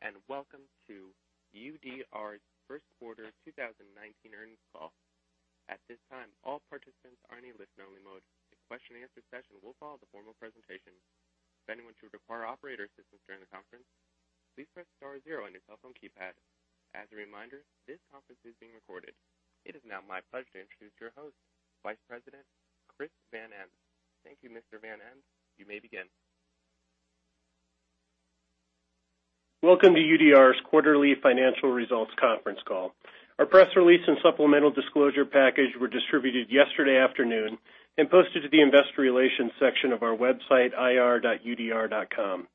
Greetings, and welcome to UDR's First Quarter 2019 Earnings Call. At this time, all participants are in a listen-only mode. A question and answer session will follow the formal presentation. If anyone should require operator assistance during the conference, please press star zero on your cell phone keypad. As a reminder, this conference is being recorded. It is now my pleasure to introduce your host, Vice President Chris Van Ens. Thank you, Mr. Van Ens. You may begin. Welcome to UDR's Quarterly Financial Results Conference Call. Our press release and supplemental disclosure package were distributed yesterday afternoon and posted to the investor relations section of our website, ir.udr.com.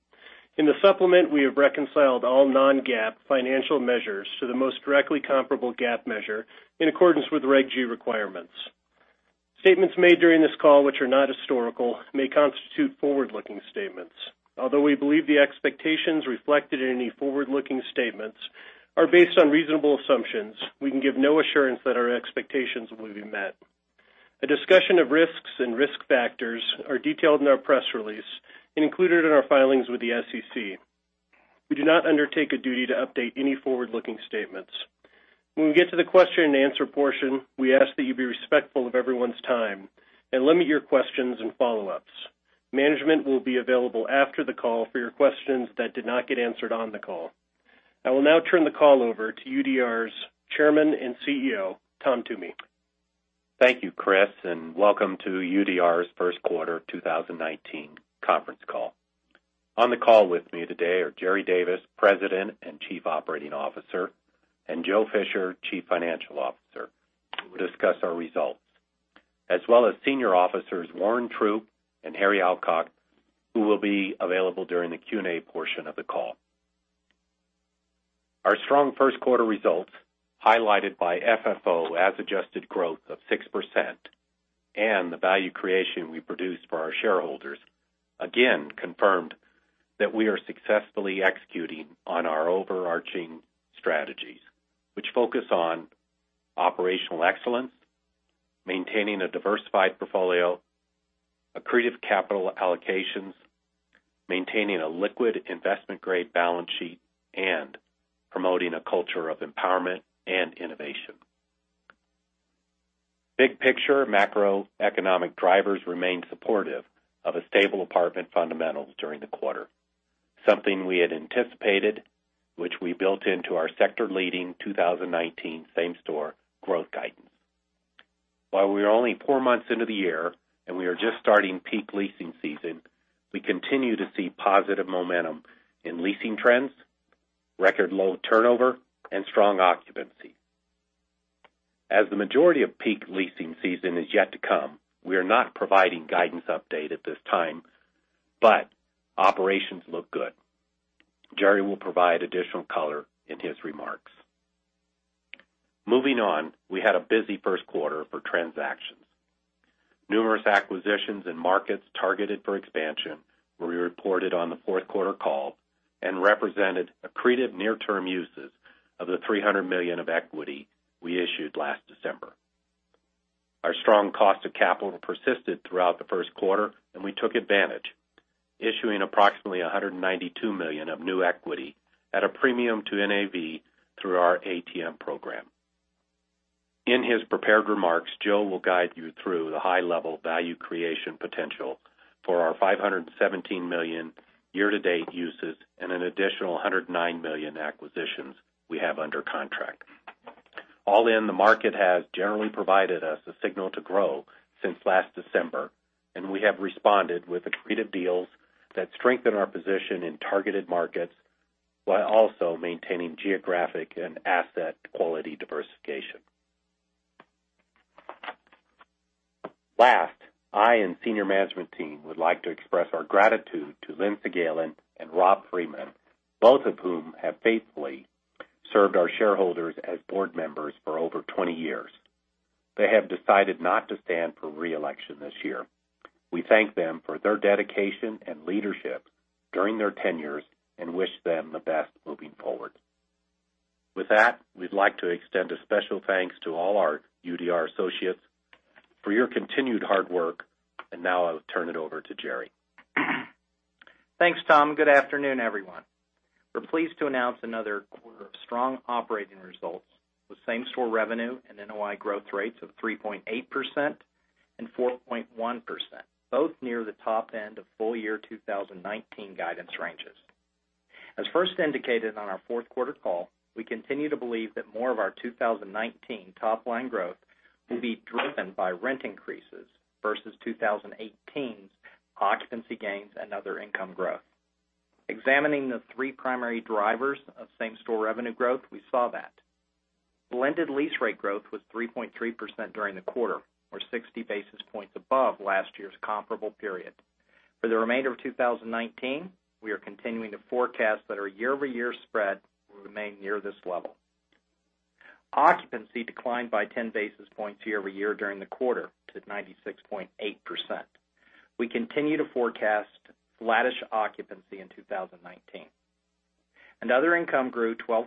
In the supplement, we have reconciled all non-GAAP financial measures to the most directly comparable GAAP measure in accordance with Reg G requirements. Statements made during this call, which are not historical, may constitute forward-looking statements. Although we believe the expectations reflected in any forward-looking statements are based on reasonable assumptions, we can give no assurance that our expectations will be met. A discussion of risks and risk factors are detailed in our press release and included in our filings with the SEC. We do not undertake a duty to update any forward-looking statements. When we get to the question and answer portion, we ask that you be respectful of everyone's time and limit your questions and follow-ups. Management will be available after the call for your questions that did not get answered on the call. I will now turn the call over to UDR's Chairman and CEO, Tom Toomey. Thank you, Chris, and welcome to UDR's First Quarter 2019 Conference Call. On the call with me today are Jerry Davis, President and Chief Operating Officer, and Joe Fisher, Chief Financial Officer, who will discuss our results, as well as Senior Officers Warren Troupe and Harry Alcock, who will be available during the Q&A portion of the call. Our strong first quarter results, highlighted by FFO as adjusted growth of 6% and the value creation we produced for our shareholders, again confirmed that we are successfully executing on our overarching strategies, which focus on operational excellence, maintaining a diversified portfolio, accretive capital allocations, maintaining a liquid investment-grade balance sheet, and promoting a culture of empowerment and innovation. Big picture macroeconomic drivers remained supportive of a stable apartment fundamentals during the quarter, something we had anticipated, which we built into our sector-leading 2019 same-store growth guidance. While we are only four months into the year and we are just starting peak leasing season, we continue to see positive momentum in leasing trends, record low turnover, and strong occupancy. As the majority of peak leasing season is yet to come, we are not providing guidance update at this time, but operations look good. Jerry will provide additional color in his remarks. Moving on, we had a busy first quarter for transactions. Numerous acquisitions in markets targeted for expansion were reported on the fourth quarter call and represented accretive near-term uses of the $300 million of equity we issued last December. Our strong cost of capital persisted throughout the first quarter, and we took advantage, issuing approximately $192 million of new equity at a premium to NAV through our ATM program. In his prepared remarks, Joe will guide you through the high-level value creation potential for our $517 million year-to-date uses and an additional $109 million in acquisitions we have under contract. All in, the market has generally provided us a signal to grow since last December, and we have responded with accretive deals that strengthen our position in targeted markets while also maintaining geographic and asset quality diversification. Last, I and senior management team would like to express our gratitude to Lynne Sagalyn and Rob Freeman, both of whom have faithfully served our shareholders as board members for over 20 years. They have decided not to stand for re-election this year. We thank them for their dedication and leadership during their tenures and wish them the best moving forward. With that, we'd like to extend a special thanks to all our UDR associates for your continued hard work. Now I'll turn it over to Jerry. Thanks, Tom, and good afternoon, everyone. We're pleased to announce another quarter of strong operating results with same-store revenue and NOI growth rates of 3.8% and 4.1%, both near the top end of full-year 2019 guidance ranges. As first indicated on our fourth quarter call, we continue to believe that more of our 2019 top-line growth will be driven by rent increases versus 2018's occupancy gains and other income growth. Examining the three primary drivers of same-store revenue growth, we saw that. Blended lease rate growth was 3.3% during the quarter, or 60 basis points above last year's comparable period. For the remainder of 2019, we are continuing to forecast that our year-over-year spread will remain near this level. Occupancy declined by 10 basis points year-over-year during the quarter to 96.8%. We continue to forecast flattish occupancy in 2019. Other income grew 12.7%,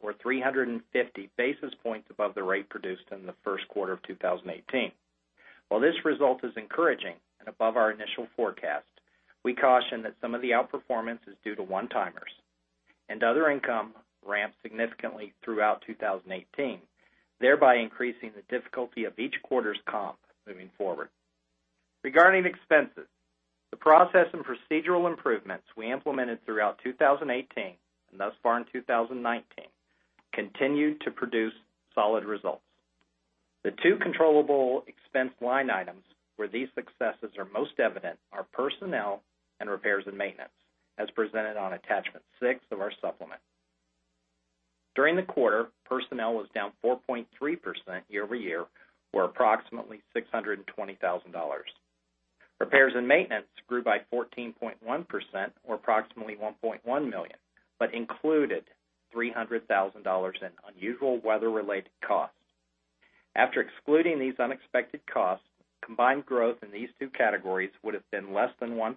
or 350 basis points above the rate produced in the first quarter of 2018. While this result is encouraging and above our initial forecast, we caution that some of the outperformance is due to one-timers and other income ramped significantly throughout 2018, thereby increasing the difficulty of each quarter's comp moving forward. Regarding expenses, the process and procedural improvements we implemented throughout 2018 and thus far in 2019 continued to produce solid results. The two controllable expense line items where these successes are most evident are personnel and repairs and maintenance, as presented on attachment six of our supplement. During the quarter, personnel was down 4.3% year-over-year, or approximately $620,000. Repairs and maintenance grew by 14.1%, or approximately $1.1 million, but included $300,000 in unusual weather-related costs. After excluding these unexpected costs, combined growth in these two categories would've been less than 1%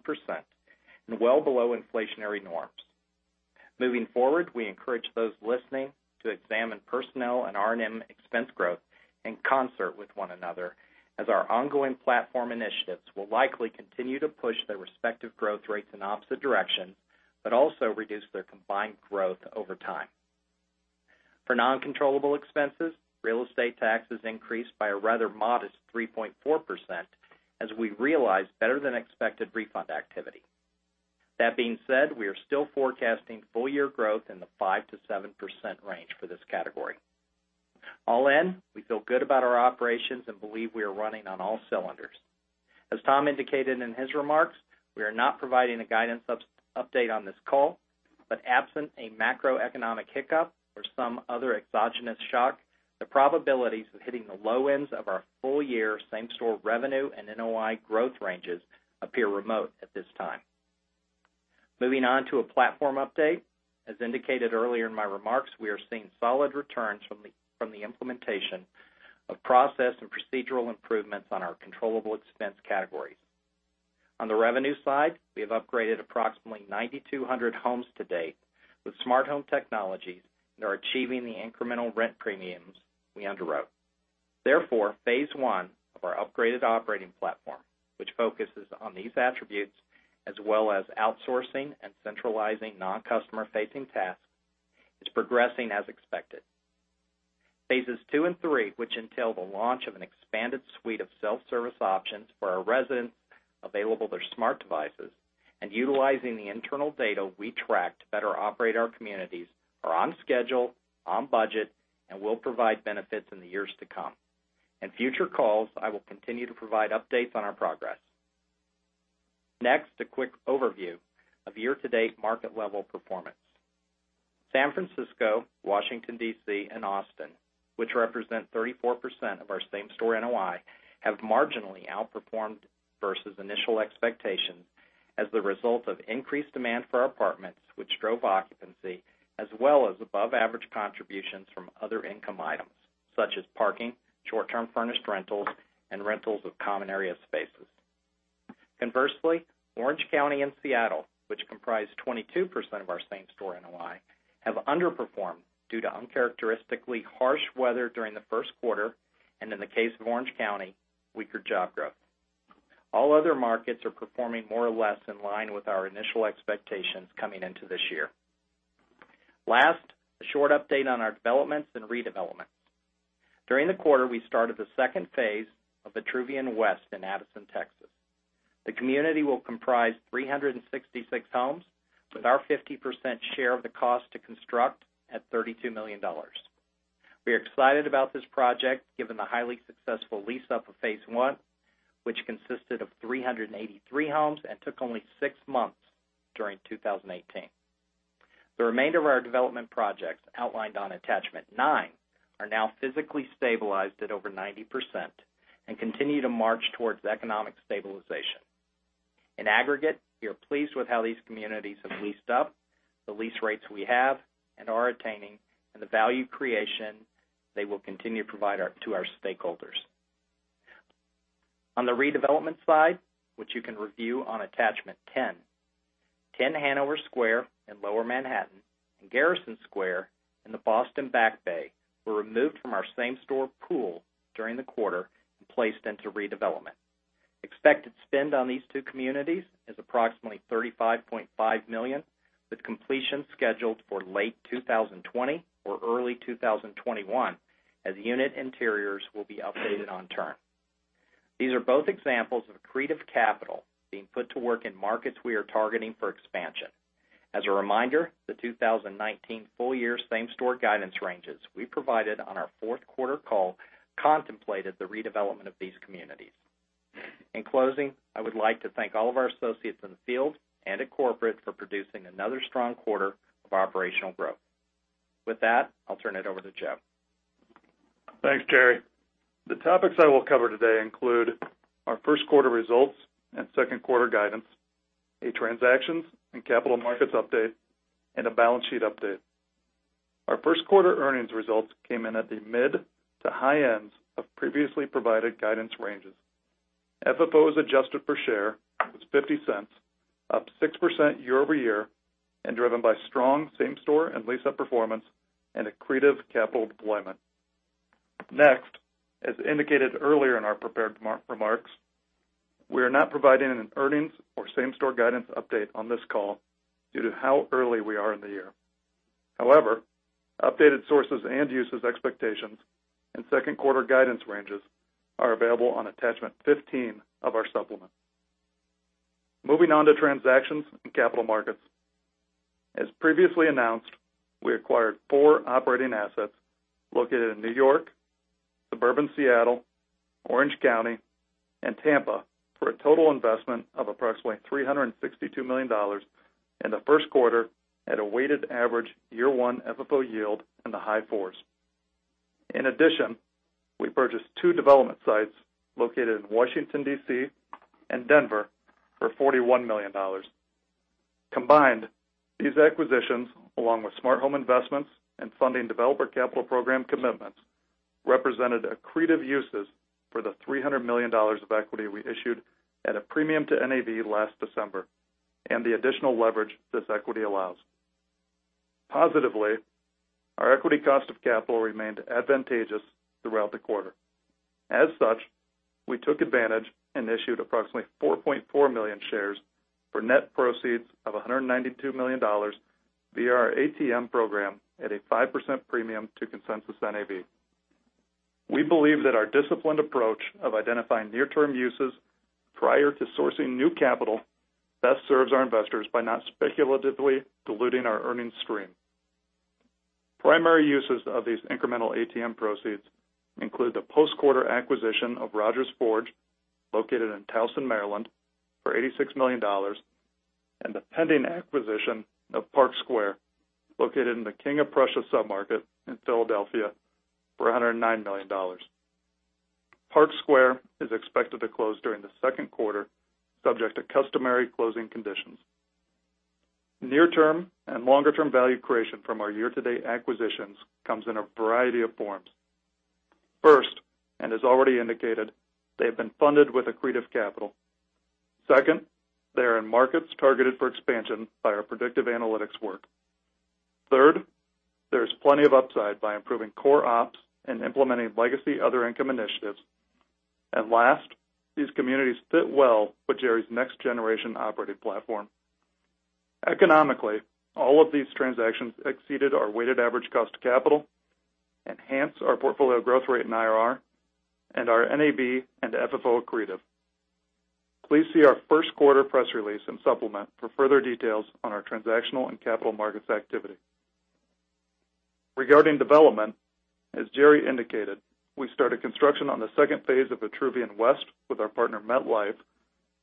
and well below inflationary norms. Moving forward, we encourage those listening to examine personnel and RNM expense growth in concert with one another, as our ongoing platform initiatives will likely continue to push their respective growth rates in opposite directions, but also reduce their combined growth over time. For non-controllable expenses, real estate taxes increased by a rather modest 3.4% as we realized better than expected refund activity. That being said, we are still forecasting full-year growth in the 5%-7% range for this category. All in, we feel good about our operations and believe we are running on all cylinders. As Tom indicated in his remarks, we are not providing a guidance update on this call, but absent a macroeconomic hiccup or some other exogenous shock, the probabilities of hitting the low ends of our full year same-store revenue and NOI growth ranges appear remote at this time. Moving on to a platform update. As indicated earlier in my remarks, we are seeing solid returns from the implementation of process and procedural improvements on our controllable expense categories. On the revenue side, we have upgraded approximately 9,200 homes to date with smart home technologies and are achieving the incremental rent premiums we underwrote. Therefore, Phase 1 of our upgraded operating platform, which focuses on these attributes, as well as outsourcing and centralizing non-customer facing tasks, is progressing as expected. Phases 2 and 3, which entail the launch of an expanded suite of self-service options for our residents available through smart devices and utilizing the internal data we track to better operate our communities are on schedule, on budget, and will provide benefits in the years to come. In future calls, I will continue to provide updates on our progress. Next, a quick overview of year-to-date market level performance. San Francisco, Washington, D.C., and Austin, which represent 34% of our same-store NOI, have marginally outperformed versus initial expectations as a result of increased demand for our apartments, which drove occupancy, as well as above average contributions from other income items such as parking, short-term furnished rentals, and rentals of common area spaces. Conversely, Orange County and Seattle, which comprise 22% of our same-store NOI, have underperformed due to uncharacteristically harsh weather during the first quarter, and in the case of Orange County, weaker job growth. All other markets are performing more or less in line with our initial expectations coming into this year. Last, a short update on our developments and redevelopments. During the quarter, we started the second phase of Vitruvian West in Addison, Texas. The community will comprise 366 homes with our 50% share of the cost to construct at $32 million. We are excited about this project, given the highly successful lease-up of Phase 1, which consisted of 383 homes and took only six months during 2018. The remainder of our development projects outlined in Attachment 9 are now physically stabilized at over 90% and continue to march towards economic stabilization. In aggregate, we are pleased with how these communities have leased up, the lease rates we have and are attaining, and the value creation they will continue to provide to our stakeholders. On the redevelopment side, which you can review on Attachment 10, 10 Hanover Square in Lower Manhattan and Garrison Square in the Boston Back Bay were removed from our same-store pool during the quarter and placed into redevelopment. Expected spend on these two communities is approximately $35.5 million, with completion scheduled for late 2020 or early 2021, as unit interiors will be updated on turn. These are both examples of creative capital being put to work in markets we are targeting for expansion. As a reminder, the 2019 full-year same-store guidance ranges we provided on our fourth quarter call contemplated the redevelopment of these communities. In closing, I would like to thank all of our associates in the field and at corporate for producing another strong quarter of operational growth. With that, I'll turn it over to Joe. Thanks, Jerry. The topics I will cover today include our first quarter results and second quarter guidance, a transactions and capital markets update, and a balance sheet update. Our first quarter earnings results came in at the mid to high ends of previously provided guidance ranges. FFO as adjusted per share was $0.50. Up 6% year-over-year and driven by strong same-store and lease-up performance and accretive capital deployment. As indicated earlier in our prepared remarks, we are not providing an earnings or same-store guidance update on this call due to how early we are in the year. However, updated sources and uses expectations and second quarter guidance ranges are available on Attachment 15 of our supplement. Moving on to transactions in capital markets. As previously announced, we acquired four operating assets located in New York, suburban Seattle, Orange County, and Tampa for a total investment of approximately $362 million in the first quarter at a weighted average year one FFO yield in the high fours. In addition, we purchased two development sites located in Washington, D.C., and Denver for $41 million. Combined, these acquisitions, along with smart home investments and funding Developer Capital Program commitments, represented accretive uses for the $300 million of equity we issued at a premium to NAV last December, and the additional leverage this equity allows. Positively, our equity cost of capital remained advantageous throughout the quarter. As such, we took advantage and issued approximately 4.4 million shares for net proceeds of $192 million via our ATM program at a 5% premium to consensus NAV. We believe that our disciplined approach of identifying near-term uses prior to sourcing new capital best serves our investors by not speculatively diluting our earnings stream. Primary uses of these incremental ATM proceeds include the post-quarter acquisition of Rodgers Forge, located in Towson, Maryland, for $86 million, and the pending acquisition of Park Square, located in the King of Prussia submarket in Philadelphia for $109 million. Park Square is expected to close during the second quarter, subject to customary closing conditions. Near-term and longer-term value creation from our year-to-date acquisitions comes in a variety of forms. First, and as already indicated, they've been funded with accretive capital. Second, they are in markets targeted for expansion by our predictive analytics work. Third, there is plenty of upside by improving core ops and implementing legacy other income initiatives. Last, these communities fit well with Jerry's next-generation operating platform. Economically, all of these transactions exceeded our weighted average cost of capital, enhanced our portfolio growth rate and IRR, and our NAV and FFO accretive. Please see our first quarter press release and supplement for further details on our transactional and capital markets activity. Regarding development, as Jerry indicated, we started construction on the second phase of Vitruvian West with our partner, MetLife,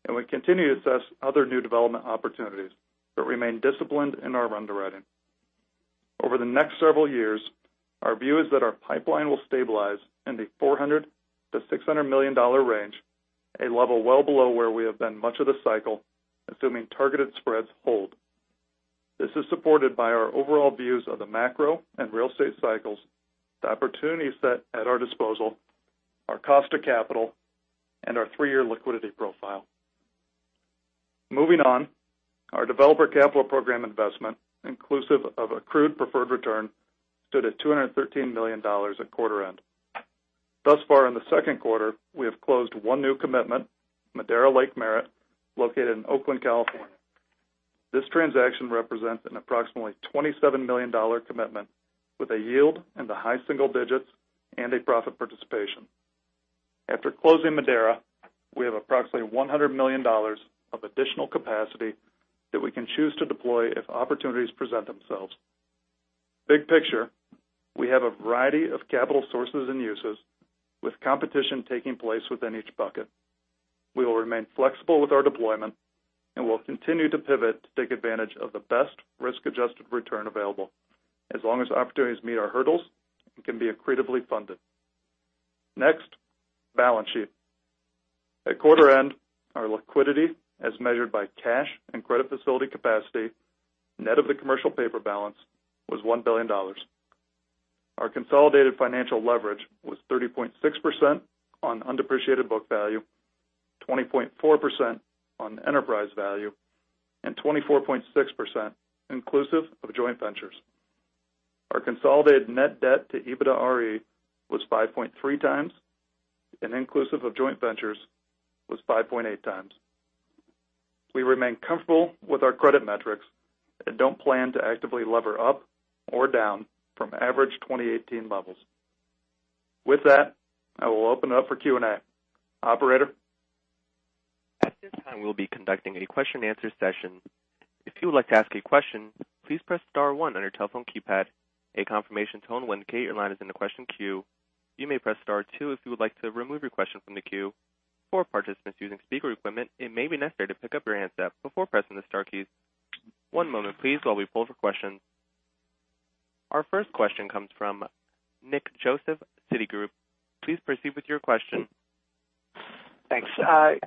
and we continue to assess other new development opportunities but remain disciplined in our underwriting. Over the next several years, our view is that our pipeline will stabilize in the $400 million-$600 million range, a level well below where we have been much of the cycle, assuming targeted spreads hold. This is supported by our overall views of the macro and real estate cycles, the opportunity set at our disposal, our cost of capital, and our three-year liquidity profile. Moving on, our Developer Capital Program investment, inclusive of accrued preferred return, stood at $213 million at quarter end. Thus far in the second quarter, we have closed one new commitment, Madera Lake Merritt, located in Oakland, California. This transaction represents an approximately $27 million commitment with a yield in the high single digits and a profit participation. After closing Madera, we have approximately $100 million of additional capacity that we can choose to deploy if opportunities present themselves. Big picture, we have a variety of capital sources and uses, with competition taking place within each bucket. We will remain flexible with our deployment and will continue to pivot to take advantage of the best risk-adjusted return available, as long as opportunities meet our hurdles and can be accretively funded. Next, balance sheet. At quarter-end, our liquidity, as measured by cash and credit facility capacity, net of the commercial paper balance, was $1 billion. Our consolidated financial leverage was 30.6% on undepreciated book value, 20.4% on enterprise value, and 24.6% inclusive of joint ventures. Our consolidated net debt to EBITDAre was 5.3x, and inclusive of joint ventures, was 5.8x. We remain comfortable with our credit metrics and don't plan to actively lever up or down from average 2018 levels. With that, I will open up for Q&A. Operator? At this time, we'll be conducting a question and answer session. If you would like to ask a question, please press star one on your telephone keypad. A confirmation tone will indicate your line is in the question queue. You may press star two if you would like to remove your question from the queue. For participants using speaker equipment, it may be necessary to pick up your handset before pressing the star keys. One moment, please while we pull for questions. Our first question comes from Nick Joseph, Citigroup. Please proceed with your question. Thanks.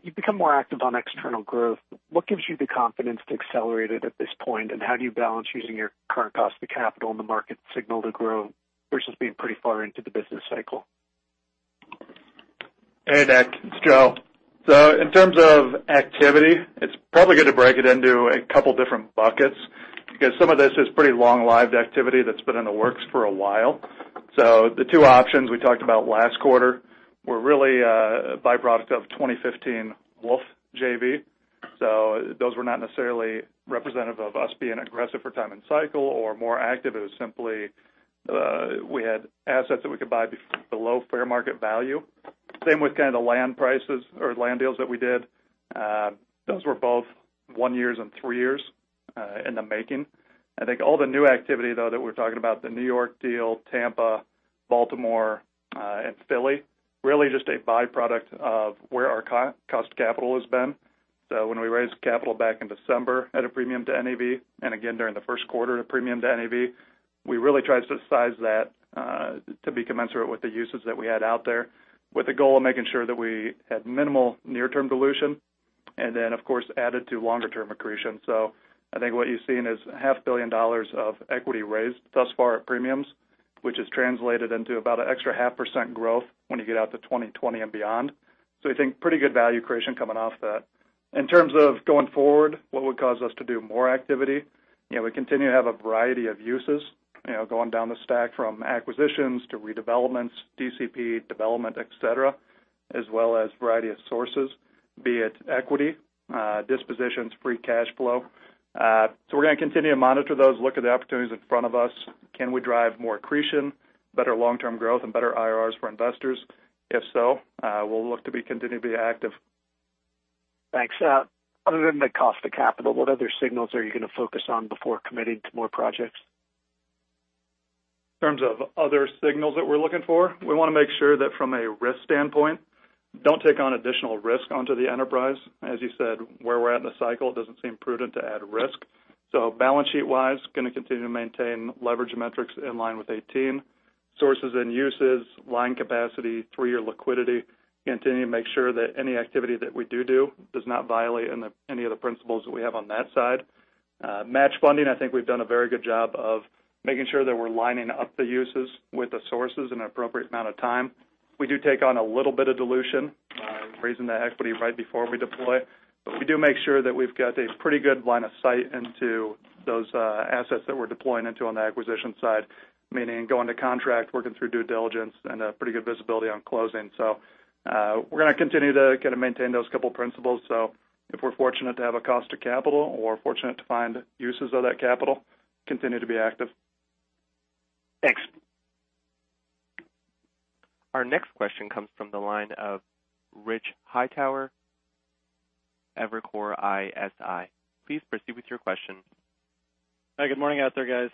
You've become more active on external growth. What gives you the confidence to accelerate it at this point, and how do you balance using your current cost of capital in the market signal to grow versus being pretty far into the business cycle? Hey, Nick. It's Joe. In terms of activity, it's probably going to break it into a couple different buckets because some of this is pretty long-lived activity that's been in the works for a while. The two options we talked about last quarter were really a byproduct of 2015 Wolf JV. Those were not necessarily representative of us being aggressive for time and cycle or more active. It was simply, we had assets that we could buy below fair market value. Same with kind of the land prices or land deals that we did. Those were both one year and three years in the making. I think all the new activity, though, that we're talking about, the New York deal, Tampa, Baltimore, and Philly, really just a byproduct of where our cost of capital has been. When we raised capital back in December at a premium to NAV, and again during the first quarter at a premium to NAV, we really tried to size that to be commensurate with the uses that we had out there, with the goal of making sure that we had minimal near-term dilution and then, of course, added to longer-term accretion. I think what you've seen is a $500 million of equity raised thus far at premiums, which has translated into about an extra half percent growth when you get out to 2020 and beyond. We think pretty good value creation coming off that. In terms of going forward, what would cause us to do more activity? We continue to have a variety of uses, going down the stack from acquisitions to redevelopments, DCP development, et cetera, as well as a variety of sources, be it equity, dispositions, free cash flow. We're going to continue to monitor those, look at the opportunities in front of us. Can we drive more accretion, better long-term growth, and better IRRs for investors? If so, we'll look to be continually active. Thanks. Other than the cost of capital, what other signals are you going to focus on before committing to more projects? In terms of other signals that we're looking for, we want to make sure that, from a risk standpoint, we don't take on additional risk onto the enterprise. As you said, where we're at in the cycle, it doesn't seem prudent to add risk. Balance sheet-wise, going to continue to maintain leverage metrics in line with 18. Sources and uses, line capacity, three-year liquidity, continue to make sure that any activity that we do does not violate any of the principles that we have on that side. Match funding, I think we've done a very good job of making sure that we're lining up the uses with the sources in an appropriate amount of time. We do take on a little bit of dilution, raising the equity right before we deploy. We do make sure that we've got a pretty good line of sight into those assets that we're deploying into on the acquisition side, meaning going to contract, working through due diligence, and pretty good visibility on closing. We're going to continue to kind of maintain those couple principles. If we're fortunate to have a cost of capital or fortunate to find uses of that capital, continue to be active. Thanks. Our next question comes from the line of Rich Hightower, Evercore ISI. Please proceed with your question. Hi, good morning out there, guys.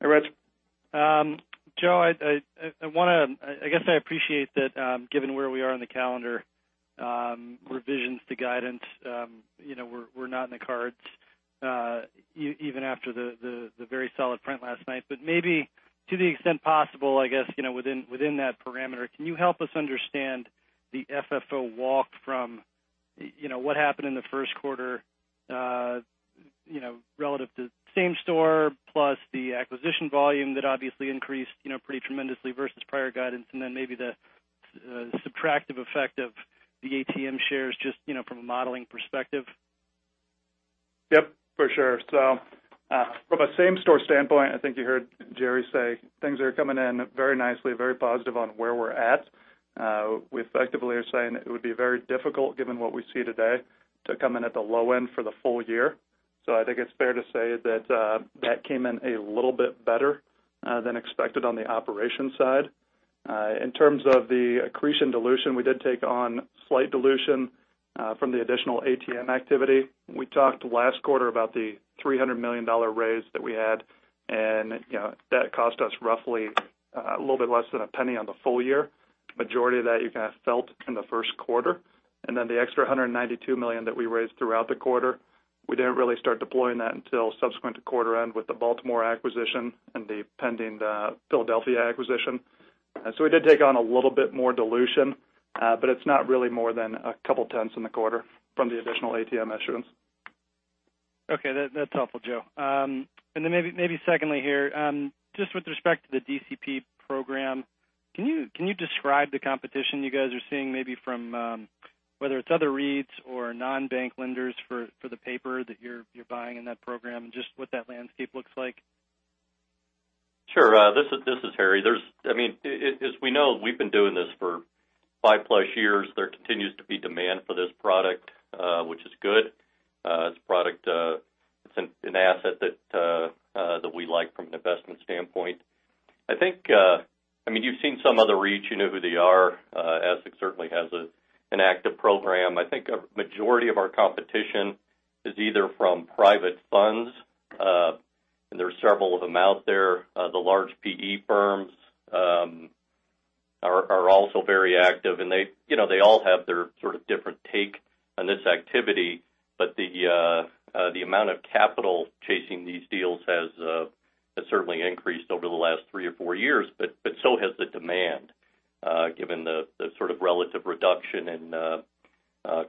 Hey, Rich. Joe, I guess I appreciate that given where we are on the calendar, revisions to guidance were not in the cards, even after the very solid print last night. Maybe to the extent possible, I guess, within that parameter, can you help us understand the FFO walk from what happened in the first quarter relative to same-store, plus the acquisition volume that obviously increased pretty tremendously versus prior guidance, and then maybe the subtractive effect of the ATM shares just from a modeling perspective? Yep, for sure. From a same-store standpoint, I think you heard Jerry say things are coming in very nicely, very positive on where we're at. We effectively are saying it would be very difficult, given what we see today, to come in at the low end for the full year. I think it's fair to say that, that came in a little bit better than expected on the operations side. In terms of the accretion dilution, we did take on a slight dilution from the additional ATM activity. We talked last quarter about the $300 million raise that we had, and that cost us roughly a little bit less than $0.01 on the full year. Majority of that you kind of felt in the first quarter. The extra $192 million that we raised throughout the quarter, we didn't really start deploying that until subsequent to quarter end with the Baltimore acquisition and the pending Philadelphia acquisition. We did take on a little bit more dilution, but it's not really more than a couple tenths in the quarter from the additional ATM issuance. Okay, that's helpful, Joe Fisher. Maybe secondly here, just with respect to the DCP program, can you describe the competition you guys are seeing maybe from, whether it's other REITs or non-bank lenders, for the paper that you're buying in that program, and just what that landscape looks like? Sure. This is Harry. As we know, we've been doing this for 5+ years. There continues to be demand for this product, which is good. It's an asset that we like from an investment standpoint. You've seen some other REITs. You know who they are. Essex certainly has an active program. I think a majority of our competition is either from private funds, and there are several of them out there. The large PE firms are also very active, and they all have their sort of different take on this activity. The amount of capital chasing these deals has certainly increased over the last three or four years, but so has the demand, given the sort of relative reduction in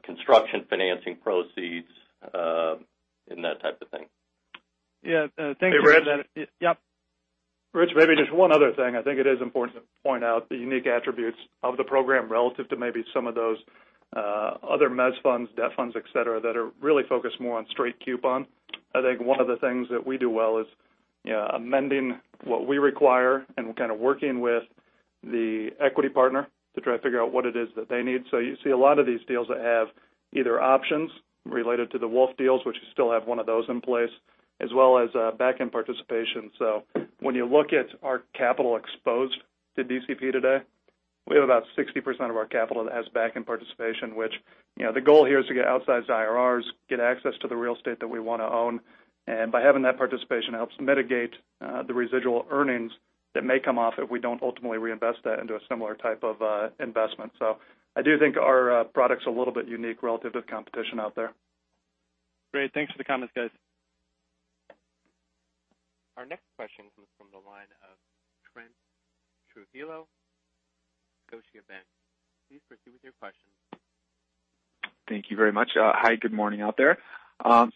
construction financing proceeds and that type of thing. Yeah. Thank you. Hey, Rich? Yeah. Rich, maybe just one other thing. I think it is important to point out the unique attributes of the program relative to maybe some of those other mezz funds, debt funds, et cetera, that are really focused more on straight coupon. I think one of the things that we do well is amending what we require and working with the equity partner to try to figure out what it is that they need. You see a lot of these deals that have either options related to the Wolf deals, which still have one of those in place, as well as backend participation. When you look at our capital exposed to DCP today, we have about 60% of our capital that has backend participation, which the goal here is to get outsized IRRs, get access to the real estate that we want to own. By having that participation, it helps mitigate the residual earnings that may come off if we don't ultimately reinvest that into a similar type of investment. I do think our product's a little bit unique relative to competition out there. Great. Thanks for the comments, guys. Our next question comes from the line of Trent Trujillo, Scotiabank. Please proceed with your question. Thank you very much. Hi, good morning out there.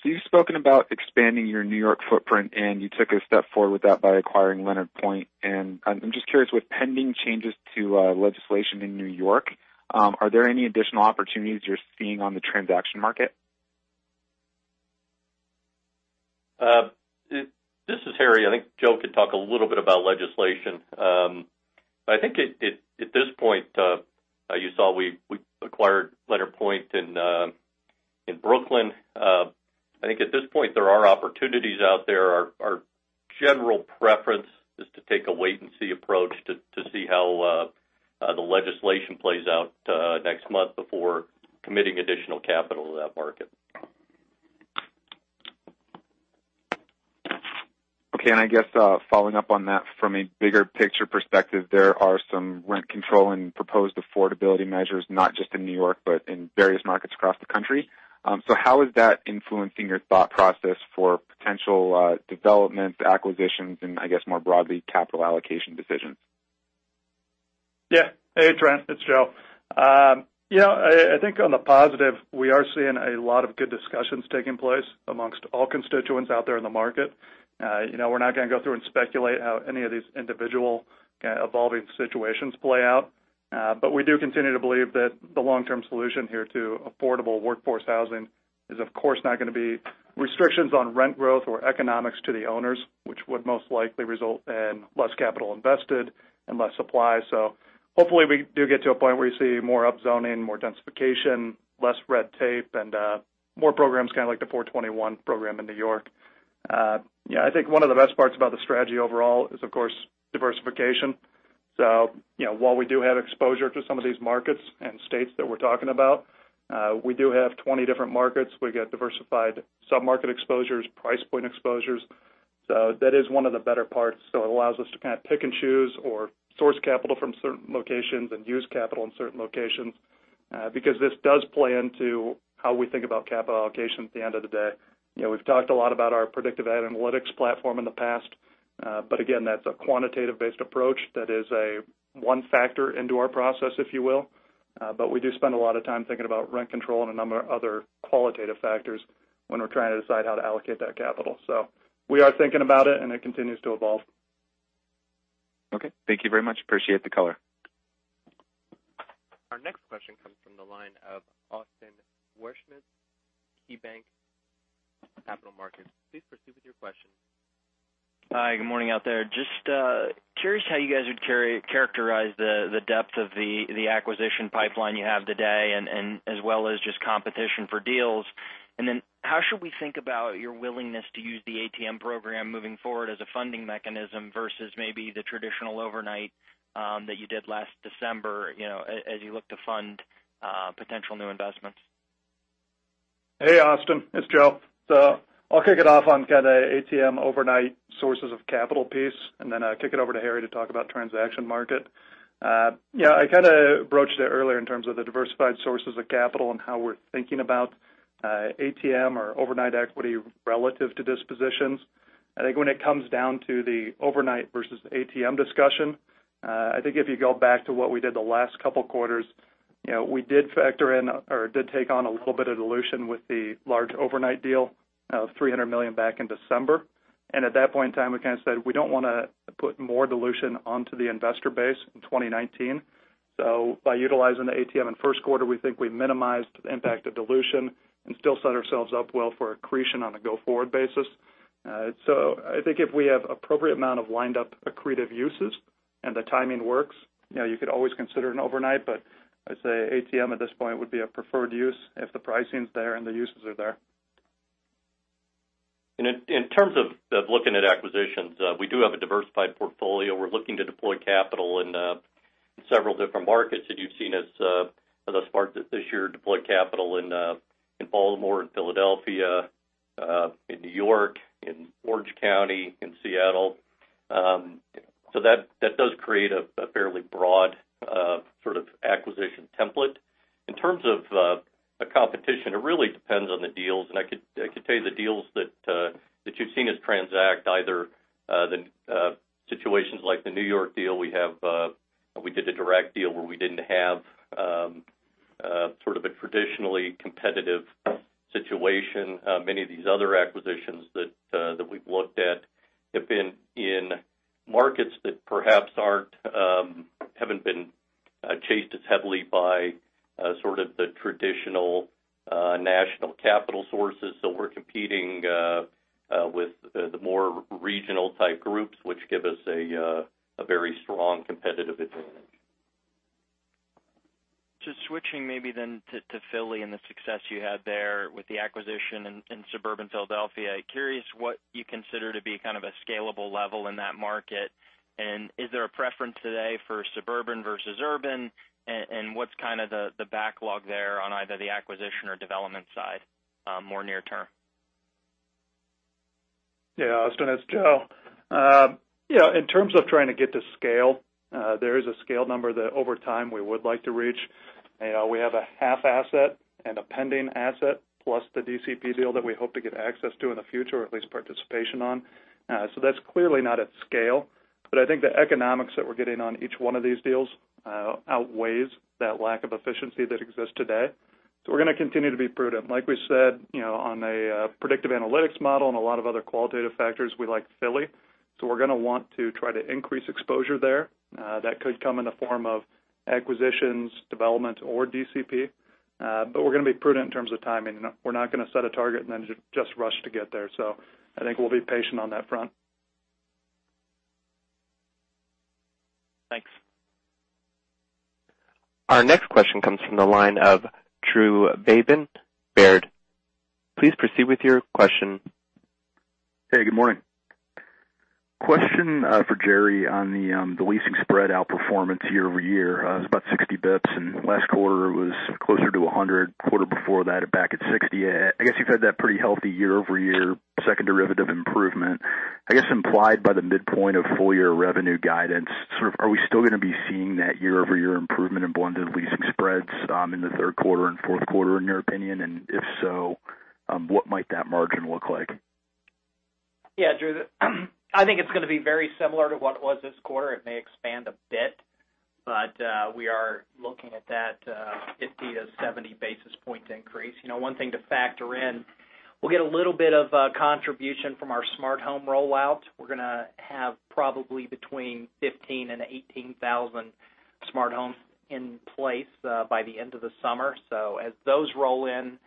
You've spoken about expanding your New York footprint, and you took a step forward with that by acquiring Leonard Pointe. I'm just curious, with pending changes to legislation in N.Y., are there any additional opportunities you're seeing on the transaction market? This is Harry. I think Joe could talk a little bit about legislation. I think at this point, you saw we acquired Leonard Pointe in Brooklyn. I think at this point, there are opportunities out there. Our general preference is to take a wait-and-see approach to see how the legislation plays out next month before committing additional capital to that market. Okay. I guess following up on that, from a bigger picture perspective, there are some rent control and proposed affordability measures, not just in New York, but in various markets across the country. How is that influencing your thought process for potential developments, acquisitions, and, I guess, more broadly, capital allocation decisions? Yeah. Hey, Trent, it's Joe. I think on the positive, we are seeing a lot of good discussions taking place amongst all constituents out there in the market. We're not going to go through and speculate how any of these individual evolving situations play out. We do continue to believe that the long-term solution here to affordable workforce housing is, of course, not going to be restrictions on rent growth or economics to the owners, which would most likely result in less capital invested and less supply. Hopefully, we do get to a point where you see more upzoning, more densification, less red tape, and more programs like the 421-a program in New York. I think one of the best parts about the strategy overall is, of course, diversification. While we do have exposure to some of these markets and states that we're talking about, we do have 20 different markets. We get diversified sub-market exposures, price point exposures. That is one of the better parts. It allows us to pick and choose or source capital from certain locations and use capital in certain locations, because this does play into how we think about capital allocation at the end of the day. We've talked a lot about our predictive analytics platform in the past. Again, that's a quantitative-based approach that is one factor into our process, if you will. We do spend a lot of time thinking about rent control and a number of other qualitative factors when we're trying to decide how to allocate that capital. We are thinking about it, and it continues to evolve. Okay. Thank you very much. Appreciate the color. Our next question comes from the line of Austin Wurschmidt, KeyBanc Capital Markets. Please proceed with your question. Hi, good morning out there. Just curious how you guys would characterize the depth of the acquisition pipeline you have today and as well as just competition for deals. How should we think about your willingness to use the ATM program moving forward as a funding mechanism versus maybe the traditional overnight that you did last December as you look to fund potential new investments? Hey, Austin, it's Joe. I'll kick it off on kind of ATM overnight sources of capital piece, and then I'll kick it over to Harry to talk about transaction market. I kind of broached it earlier in terms of the diversified sources of capital and how we're thinking about ATM or overnight equity relative to dispositions. I think when it comes down to the overnight versus ATM discussion, I think if you go back to what we did the last couple of quarters, we did factor in or did take on a little bit of dilution with the large overnight deal of $300 million back in December. At that point in time, we kind of said, we don't want to put more dilution onto the investor base in 2019. By utilizing the ATM in first quarter, we think we minimized the impact of dilution and still set ourselves up well for accretion on a go-forward basis. I think if we have appropriate amount of wind-up accretive uses and the timing works, you could always consider an overnight, but I'd say ATM at this point would be a preferred use if the pricing's there and the uses are there. In terms of looking at acquisitions, we do have a diversified portfolio. We're looking to deploy capital in several different markets that you've seen us thus far this year deploy capital in Baltimore and Philadelphia, in New York, in Orange County, in Seattle. That does create a fairly broad sort of acquisition template. In terms of the competition, it really depends on the deals. I could tell you the deals that you've seen us transact, either the situations like the New York deal we have, we did the direct deal where we didn't have Traditionally competitive situation. Many of these other acquisitions that we've looked at have been in markets that perhaps haven't been chased as heavily by sort of the traditional national capital sources. We're competing with the more regional type groups, which give us a very strong competitive advantage. Just switching maybe then to Philly and the success you had there with the acquisition in suburban Philadelphia. Curious what you consider to be kind of a scalable level in that market. Is there a preference today for suburban versus urban? What's kind of the backlog there on either the acquisition or development side more near-term? Yeah, Austin, it's Joe. In terms of trying to get to scale, there is a scale number that over time we would like to reach. We have a half asset and a pending asset plus the DCP deal that we hope to get access to in the future, or at least participation on. That's clearly not at scale, I think the economics that we're getting on each one of these deals outweighs that lack of efficiency that exists today. We're going to continue to be prudent. Like we said, on a predictive analytics model and a lot of other qualitative factors, we like Philly. We're going to want to try to increase exposure there. That could come in the form of acquisitions, development, or DCP. We're going to be prudent in terms of timing. We're not going to set a target and then just rush to get there. I think we'll be patient on that front. Thanks. Our next question comes from the line of Drew Babin, Baird. Please proceed with your question. Hey, good morning. Question for Jerry on the leasing spread outperformance year-over-year. It was about 60 basis points, and last quarter was closer to 100, the quarter before that back at 60. I guess you've had that pretty healthy year-over-year second derivative improvement. Implied by the midpoint of full-year revenue guidance, sort of are we still going to be seeing that year-over-year improvement in blended leasing spreads in the third quarter and fourth quarter, in your opinion? If so, what might that margin look like? Yeah, Drew, I think it's going to be very similar to what it was this quarter. It may expand a bit, but we are looking at that 50-70 basis points increase. One thing to factor in, we'll get a little bit of contribution from our smart home rollout. We're going to have probably between 15,000 and 18,000 smart homes in place by the end of the summer. As those roll in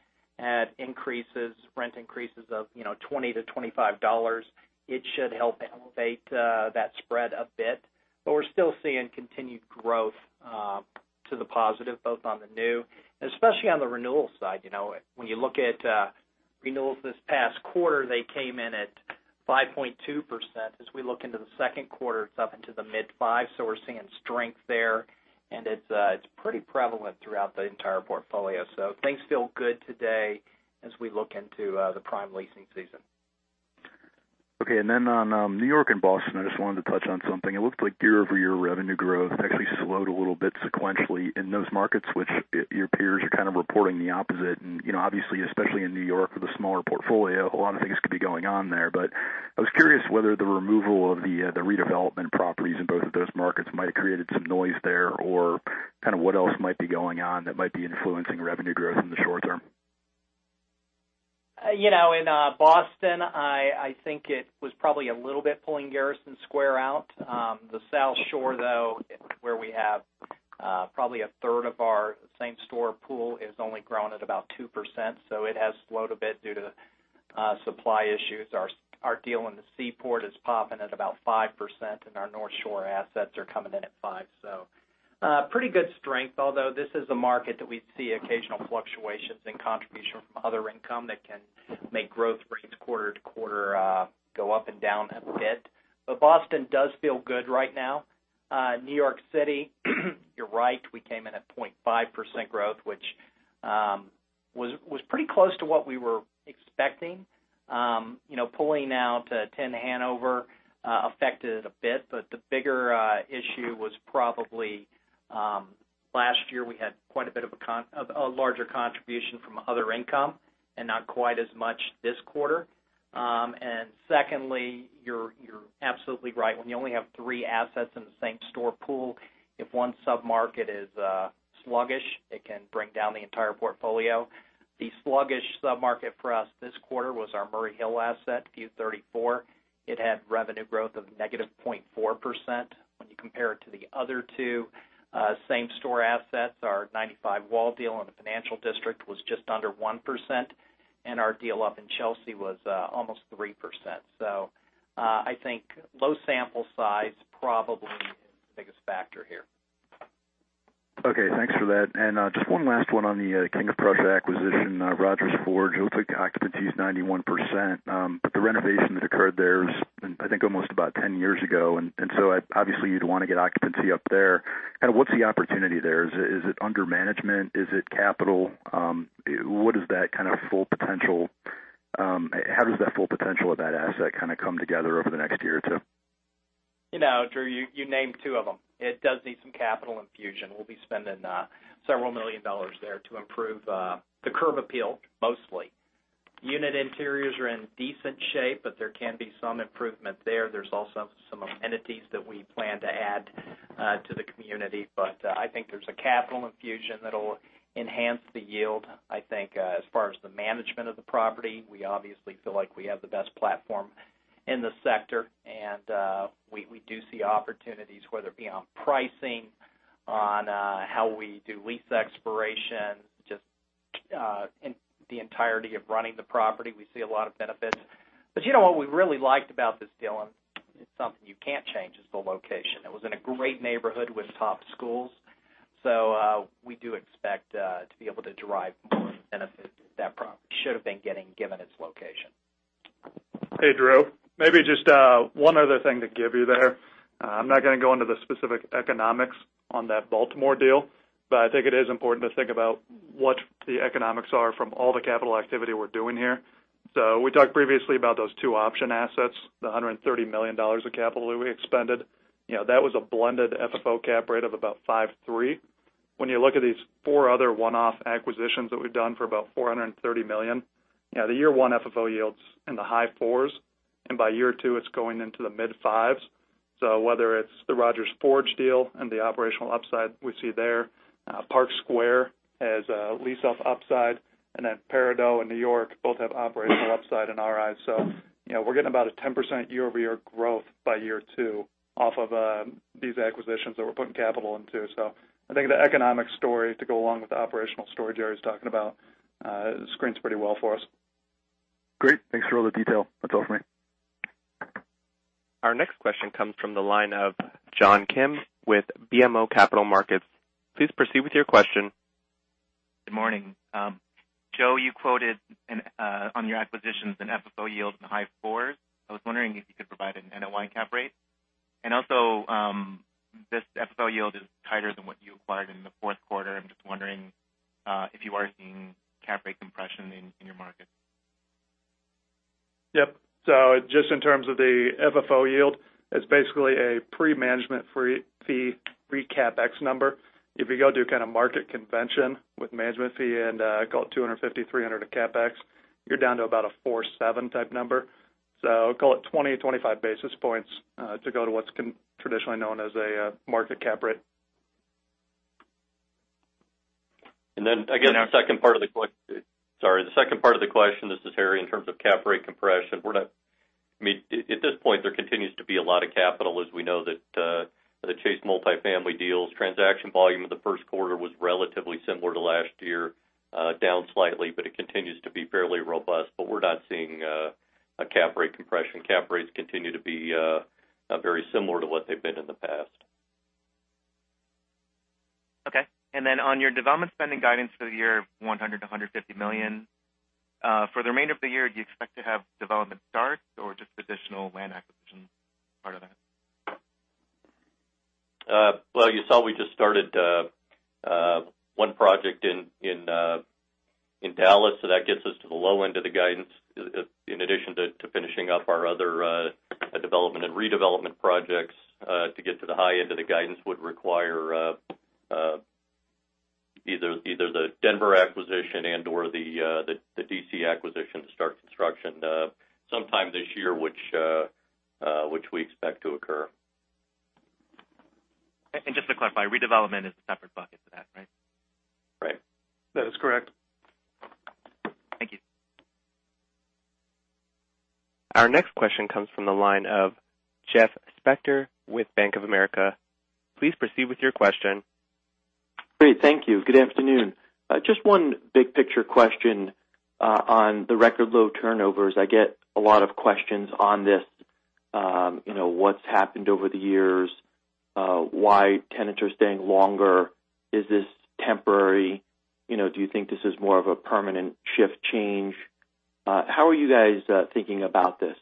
at increases, rent increases of $20-$25, it should help elevate that spread a bit. We're still seeing continued growth to the positive, both on the new and especially on the renewal side. When you look at renewals this past quarter, they came in at 5.2%. As we look into the second quarter, it's up into the mid-five. We're seeing strength there, and it's pretty prevalent throughout the entire portfolio. Things feel good today as we look into the prime leasing season. Okay. On New York and Boston, I just wanted to touch on something. It looks like year-over-year revenue growth actually slowed a little bit sequentially in those markets, which your peers are kind of reporting the opposite. Obviously, especially in New York with a smaller portfolio, a lot of things could be going on there. I was curious whether the removal of the redevelopment properties in both of those markets might have created some noise there, or kind of what else might be going on that might be influencing revenue growth in the short-term. In Boston, I think it was probably a little bit pulling Garrison Square out. The South Shore, though, where we have probably a third of our same-store pool, has only grown at about 2%, so it has slowed a bit due to supply issues. Our deal in the Seaport is popping at about 5%, and our North Shore assets are coming in at 5%. Pretty good strength, although this is a market that we see occasional fluctuations in contribution from other income that can make growth rates quarter-to-quarter go up and down a bit. Boston does feel good right now. New York City, you're right. We came in at 0.5% growth, which was pretty close to what we were expecting. Pulling out 10 Hanover affected it a bit, but the bigger issue was probably last year, we had quite a bit of a larger contribution from other income and not quite as much this quarter. Secondly, you're absolutely right. When you only have three assets in the same-store pool, if one sub-market is sluggish, it can bring down the entire portfolio. The sluggish sub-market for us this quarter was our Murray Hill asset, View 34. It had revenue growth of -0.4%. When you compare it to the other two same-store assets, our 95 Wall deal in the Financial District was just under 1%, and our deal up in Chelsea was almost 3%. I think a low sample size probably is the biggest factor here. Okay. Thanks for that. Just one last one on the King of Prussia acquisition, Rodgers Forge. It looks like occupancy is 91%, but the renovation that occurred there was, I think, almost about 10 years ago. Obviously, you'd want to get occupancy up there. Kind of, what's the opportunity there? Is it under management? Is it capital? How does that full potential of that asset kind of come together over the next year or two? Drew, you named two of them. It does need some capital infusion. We'll be spending several million dollars there to improve the curb appeal, mostly. Unit interiors are in decent shape, but there can be some improvement there. There's also some amenities that we plan to add to the community. I think there's a capital infusion that'll enhance the yield. I think, as far as the management of the property, we obviously feel like we have the best platform in the sector, we do see opportunities, whether it be on pricing, on how we do lease expiration, just in the entirety of running the property, we see a lot of benefits. You know what we really liked about this deal, and it's something you can't change, is the location. It was in a great neighborhood with top schools. We do expect to be able to drive more benefit to that property. Should've been getting, given its location. Hey, Drew. Maybe just one other thing to give you there. I'm not going to go into the specific economics on that Baltimore deal. I think it is important to think about what the economics are from all the capital activity we're doing here. We talked previously about those two option assets, the $130 million of capital that we expended. That was a blended FFO cap rate of about 5.3%. When you look at these four other one-off acquisitions that we've done for about $430 million, the year one FFO yields in the high fours, and by year two, it's going into the mid-fives. Whether it's the Rodgers Forge deal and the operational upside we see there, Park Square has a lease-off upside, and then Peridot in New York both have operational upside in our eyes. We're getting about a 10% year-over-year growth by year two off of these acquisitions that we're putting capital into. I think the economic story to go along with the operational story Jerry's talking about screens pretty well for us. Great. Thanks for all the detail. That's all for me. Our next question comes from the line of John Kim with BMO Capital Markets. Please proceed with your question. Good morning. Joe, you quoted on your acquisitions an FFO yield in the high fours. I was wondering if you could provide an NOI cap rate. Also, this FFO yield is tighter than what you acquired in the fourth quarter. I'm just wondering if you are seeing cap rate compression in your markets. Yep. Just in terms of the FFO yield, it's basically a pre-management fee, pre-CapEx number. If you go do kind of market convention with management fee and call it $250, $300 of CapEx, you're down to about a 4 7 type number. Call it 20, 25 basis points to go to what's traditionally known as a market cap rate. Again, the second part of the question. Sorry, the second part of the question, this is Harry. In terms of cap rate compression, at this point, there continues to be a lot of capital, as we know that the Chase multifamily deals transaction volume in the first quarter was relatively similar to last year, down slightly, but it continues to be fairly robust. We're not seeing a cap rate compression. Cap rates continue to be very similar to what they've been in the past. Okay. On your development spending guidance for the year of $100 million-$150 million, for the remainder of the year, do you expect to have development starts or just additional land acquisition as part of that? Well, you saw we just started one project in Dallas, that gets us to the low end of the guidance. In addition to finishing up our other development and redevelopment projects, to get to the high end of the guidance would require either the Denver acquisition and/or the D.C. acquisition to start construction sometime this year, which we expect to occur. Just to clarify, redevelopment is a separate bucket to that, right? Right. That is correct. Thank you. Our next question comes from the line of Jeff Spector with Bank of America. Please proceed with your question. Great, thank you. Good afternoon. Just one big picture question on the record low turnovers. I get a lot of questions on this. What's happened over the years? Why tenants are staying longer? Is this temporary? Do you think this is more of a permanent shift change? How are you guys thinking about this?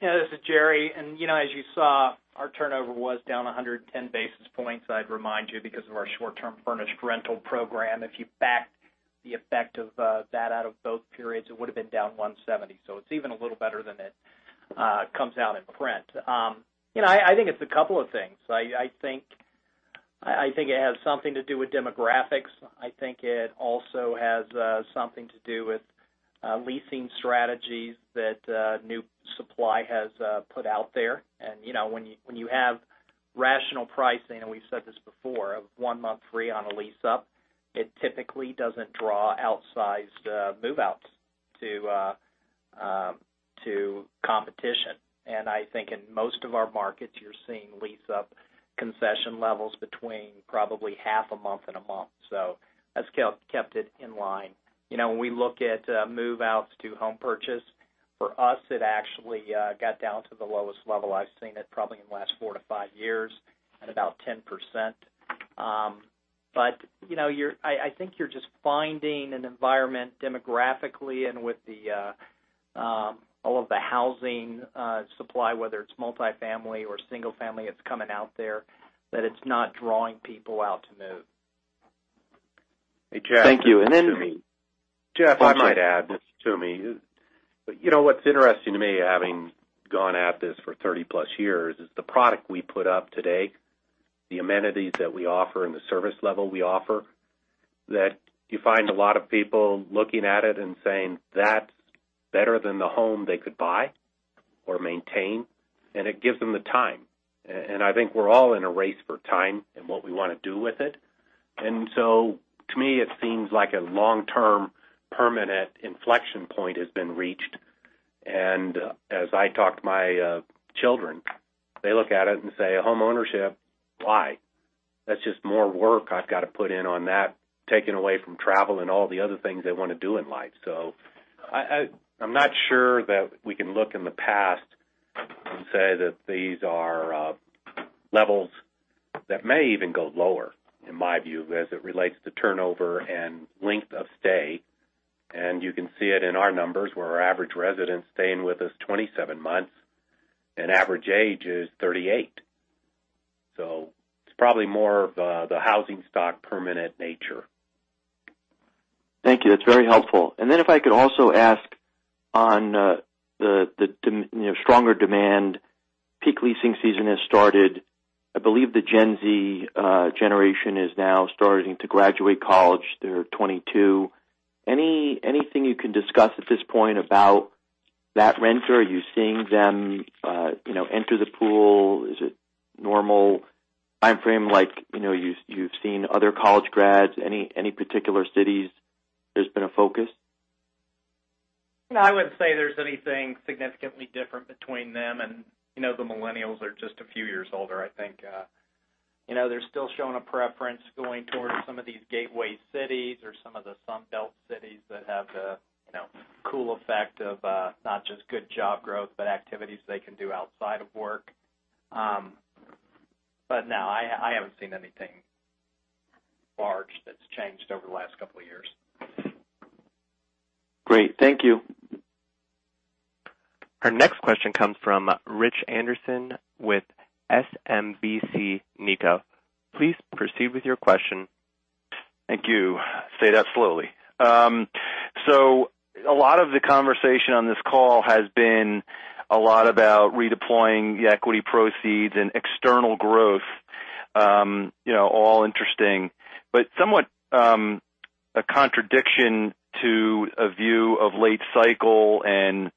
Yeah, this is Jerry. As you saw, our turnover was down 110 basis points, I'd remind you, because of our short-term furnished rental program. If you backed the effect of that out of both periods, it would've been down 170. It's even a little better than it comes out in print. I think it's a couple of things. I think it has something to do with demographics. I think it also has something to do with leasing strategies that new supply has put out there. When you have rational pricing, and we've said this before, of one month free on a lease-up, it typically doesn't draw outsized move-outs to competition. I think in most of our markets, you're seeing lease-up concession levels between probably half a month and a month. That's kept it in line. When we look at move-outs to home purchase, for us, it actually got down to the lowest level I've seen it probably in the last 4-5 years, at about 10%. I think you're just finding an environment demographically and with all of the housing supply, whether it's multifamily or single-family that's coming out there, that it's not drawing people out to move. Thank you. Jeff, I might add, this is Toomey. What's interesting to me, having gone at this for 30-plus years, is the product we put up today. The amenities that we offer and the service level we offer, that, you find a lot of people looking at it and saying, "That's better than the home they could buy or maintain," and it gives them the time. I think we're all in a race for time and what we want to do with it. To me, it seems like a long-term permanent inflection point has been reached. As I talk to my children, they look at it and say, "Home ownership, why? That's just more work I've got to put in on that," taking away from travel and all the other things they want to do in life. I'm not sure that we can look in the past and say that these are levels that may even go lower, in my view, as it relates to turnover and length of stay. You can see it in our numbers, where our average resident's staying with us 27 months, and the average age is 38. It's probably more of the housing stock permanent nature. Thank you. That's very helpful. If I could also ask on the stronger demand, peak leasing season has started. I believe the Gen Z generation is now starting to graduate college. They're 22. Anything you can discuss at this point about that renter? Are you seeing them enter the pool? Is it normal timeframe like you've seen other college grads? Any particular cities where there's been a focus? No, I wouldn't say there's anything significantly different between them and the Millennials are just a few years older, I think. They're still showing a preference going towards some of these gateway cities or some of the Sun Belt cities that have the cool effect of not just good job growth, but activities they can do outside of work. No, I haven't seen anything large that's changed over the last couple of years. Great. Thank you. Our next question comes from Rich Anderson with SMBC Nikko. Please proceed with your question. Thank you. Say that slowly. A lot of the conversation on this call has been a lot about redeploying the equity proceeds and external growth. All interesting, somewhat a contradiction to a view of late cycle and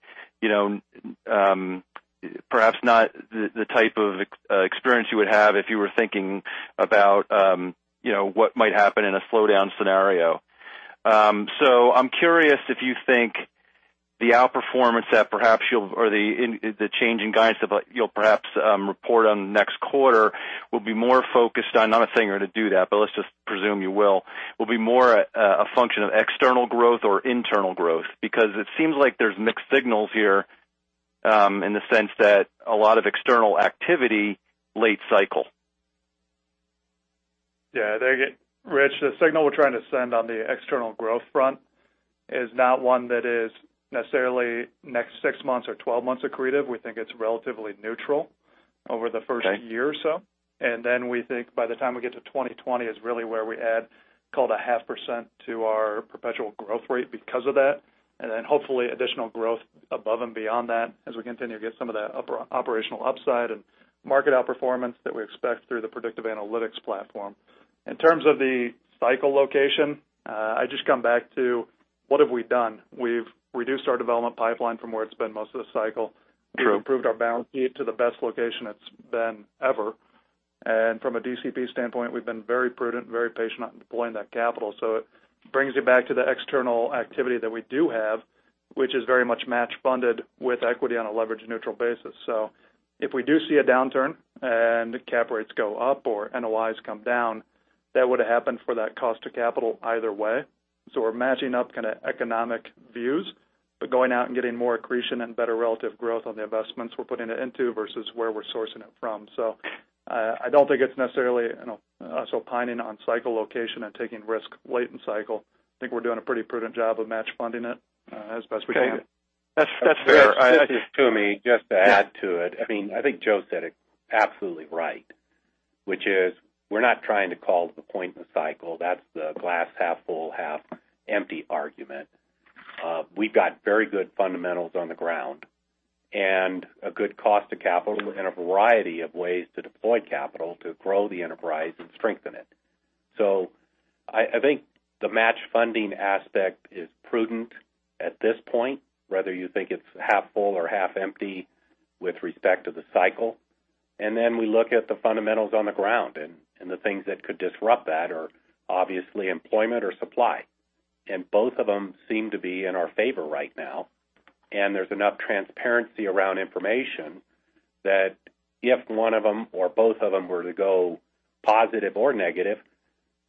perhaps not the type of experience you would have if you were thinking about what might happen in a slowdown scenario. I'm curious if you think the outperformance that perhaps you'll Or the change in guidance that you'll perhaps report on next quarter will be more focused on, not saying you're going to do that, but let's just presume you will be more a function of external growth or internal growth, It seems like there's mixed signals here, in the sense that a lot of external activity late cycle. Yeah. Rich, the signal we're trying to send on the external growth front is not one that is necessarily next six months or 12 months accretive. We think it's relatively neutral over the first year or so. Okay. We think by the time we get to 2020 is really where we add called a half percent to our perpetual growth rate because of that, then hopefully additional growth above and beyond that as we continue to get some of the operational upside and market outperformance that we expect through the predictive analytics platform. In terms of the cycle location, I just come back to, what have we done? We've reduced our development pipeline from where it's been most of the cycle. True. We've improved our balance sheet to the best location it's been ever. From a DCP standpoint, we've been very prudent, very patient on deploying that capital. It brings you back to the external activity that we do have, which is very much match-funded with equity on a leverage-neutral basis. If we do see a downturn and cap rates go up or NOIs come down, that would happen for that cost of capital either way. We're matching up kind of economic views, going out and getting more accretion and better relative growth on the investments we're putting it into versus where we're sourcing it from. I don't think it's necessarily us opining on cycle location and taking risk late in cycle. I think we're doing a pretty prudent job of match funding it as best we can. Okay. That's fair. This is Toomey. Just to add to it, I think Joe said it absolutely right, which is, we're not trying to call the point in the cycle. That's the glass half full, half empty argument. We've got very good fundamentals on the ground and a good cost of capital and a variety of ways to deploy capital to grow the enterprise and strengthen it. I think the match funding aspect is prudent at this point, whether you think it's half full or half empty with respect to the cycle. We look at the fundamentals on the ground and the things that could disrupt that are obviously employment or supply. Both of them seem to be in our favor right now, and there's enough transparency around information that if one of them or both of them were to go positive or negative,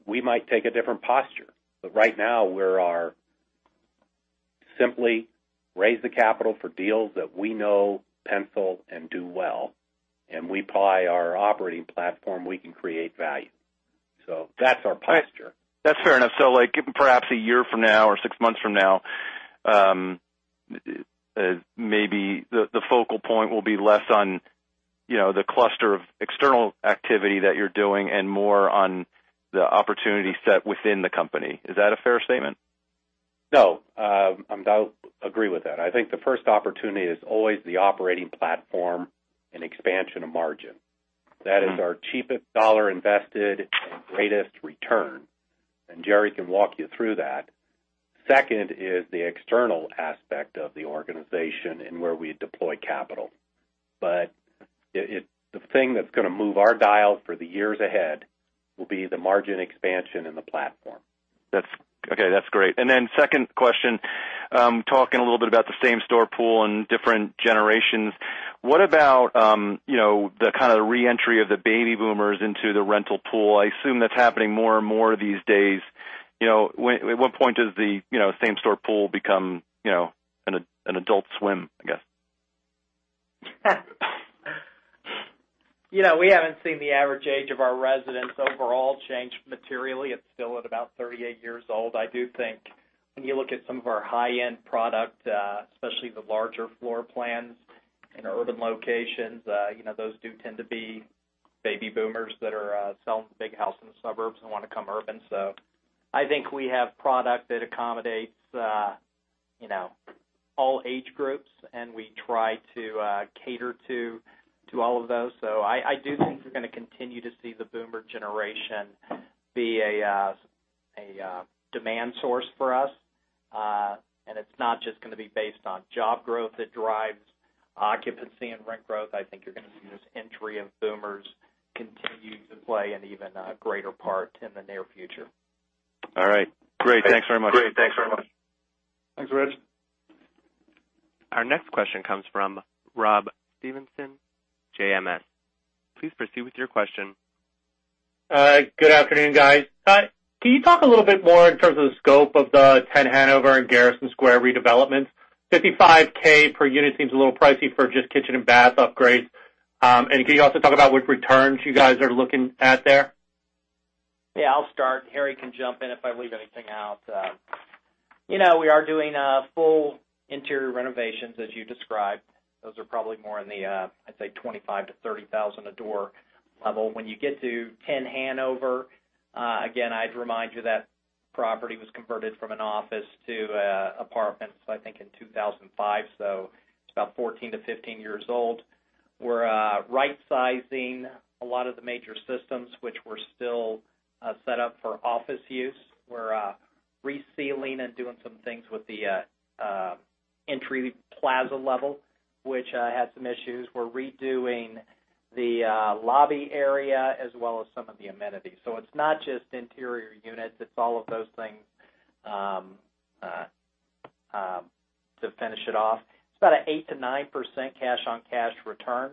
we might take a different posture. Right now, we are simply raising the capital for deals that we know pencil and do well, and we apply our operating platform, we can create value. That's our posture. That's fair enough. Perhaps a year from now or six months from now, maybe the focal point will be less on the cluster of external activity that you're doing and more on the opportunity set within the company. Is that a fair statement? No, I agree with that. I think the first opportunity is always the operating platform and expansion of margin. That is our cheapest dollar invested and greatest return, and Jerry can walk you through that. Second is the external aspect of the organization, and where we deploy capital. The thing that's going to move our dial for the years ahead will be the margin expansion in the platform. Okay, that's great. Second question, talking a little bit about the same-store pool and different generations, what about the kind of re-entry of the Baby Boomers into the rental pool? I assume that's happening more and more these days. At what point does the same-store pool become an adult swim, I guess? We haven't seen the average age of our residents overall change materially. It's still at about 38 years old. I do think when you look at some of our high-end product, especially the larger floor plans in urban locations, those do tend to be baby boomers that are selling big houses in the suburbs and want to come urban. I think we have product that accommodates all age groups, and we try to cater to all of those. I do think you're going to continue to see the boomer generation be a demand source for us. It's not just going to be based on job growth that drives occupancy and rent growth. I think you're going to see this entry of boomers continue to play an even greater part in the near future. All right. Great. Thanks very much. Great. Thanks very much. Thanks, Rich. Our next question comes from Rob Stevenson, JMS. Please proceed with your question. Good afternoon, guys. Can you talk a little bit more in terms of the scope of the 10 Hanover and Garrison Square redevelopments? $55,000 per unit seems a little pricey for just kitchen and bath upgrades. Can you also talk about which returns you guys are looking at there? Yeah, I'll start. Harry can jump in if I leave anything out. We are doing full interior renovations, as you described. Those are probably more in the, I'd say, $25,000-$30,000 a door level. When you get to 10 Hanover, again, I'd remind you that the property was converted from an office to apartments, I think, in 2005. It's about 14-15 years old. We're right-sizing a lot of the major systems, which were still set up for office use. We're resealing and doing some things with the entry plaza level, which had some issues. We're redoing the lobby area as well as some of the amenities. It's not just interior units, it's all of those things to finish it off. It's about an 8%-9% cash-on-cash return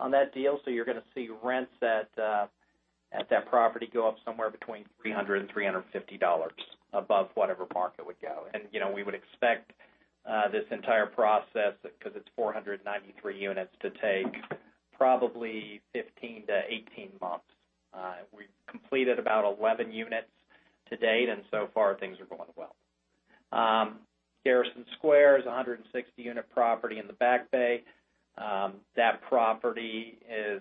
on that deal. You're going to see rents at that property go up somewhere between $300-$350 above whatever market we go. We would expect this entire process, because it's 493 units, to take probably 15-18 months. We've completed about 11 units to date, and so far things are going well. Garrison Square is a 160-unit property in the Back Bay. That property is,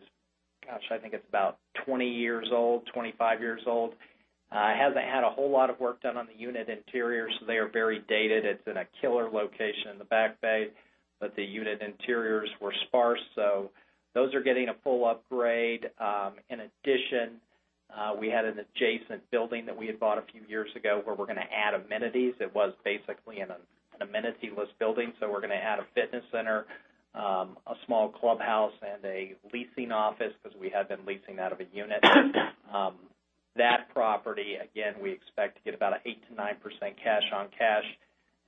gosh, I think it's about 20 years old, 25 years old. It hasn't had a whole lot of work done on the unit interiors, so they are very dated. It's in a killer location in the Back Bay, but the unit interiors were sparse, so those are getting a full upgrade. In addition, we had an adjacent building that we had bought a few years ago where we're going to add amenities. It was basically an amenity-less building. We're going to add a fitness center, a small clubhouse, and a leasing office because we had been leasing out of a unit. That property, again, we expect to get about an 8%-9% cash on cash,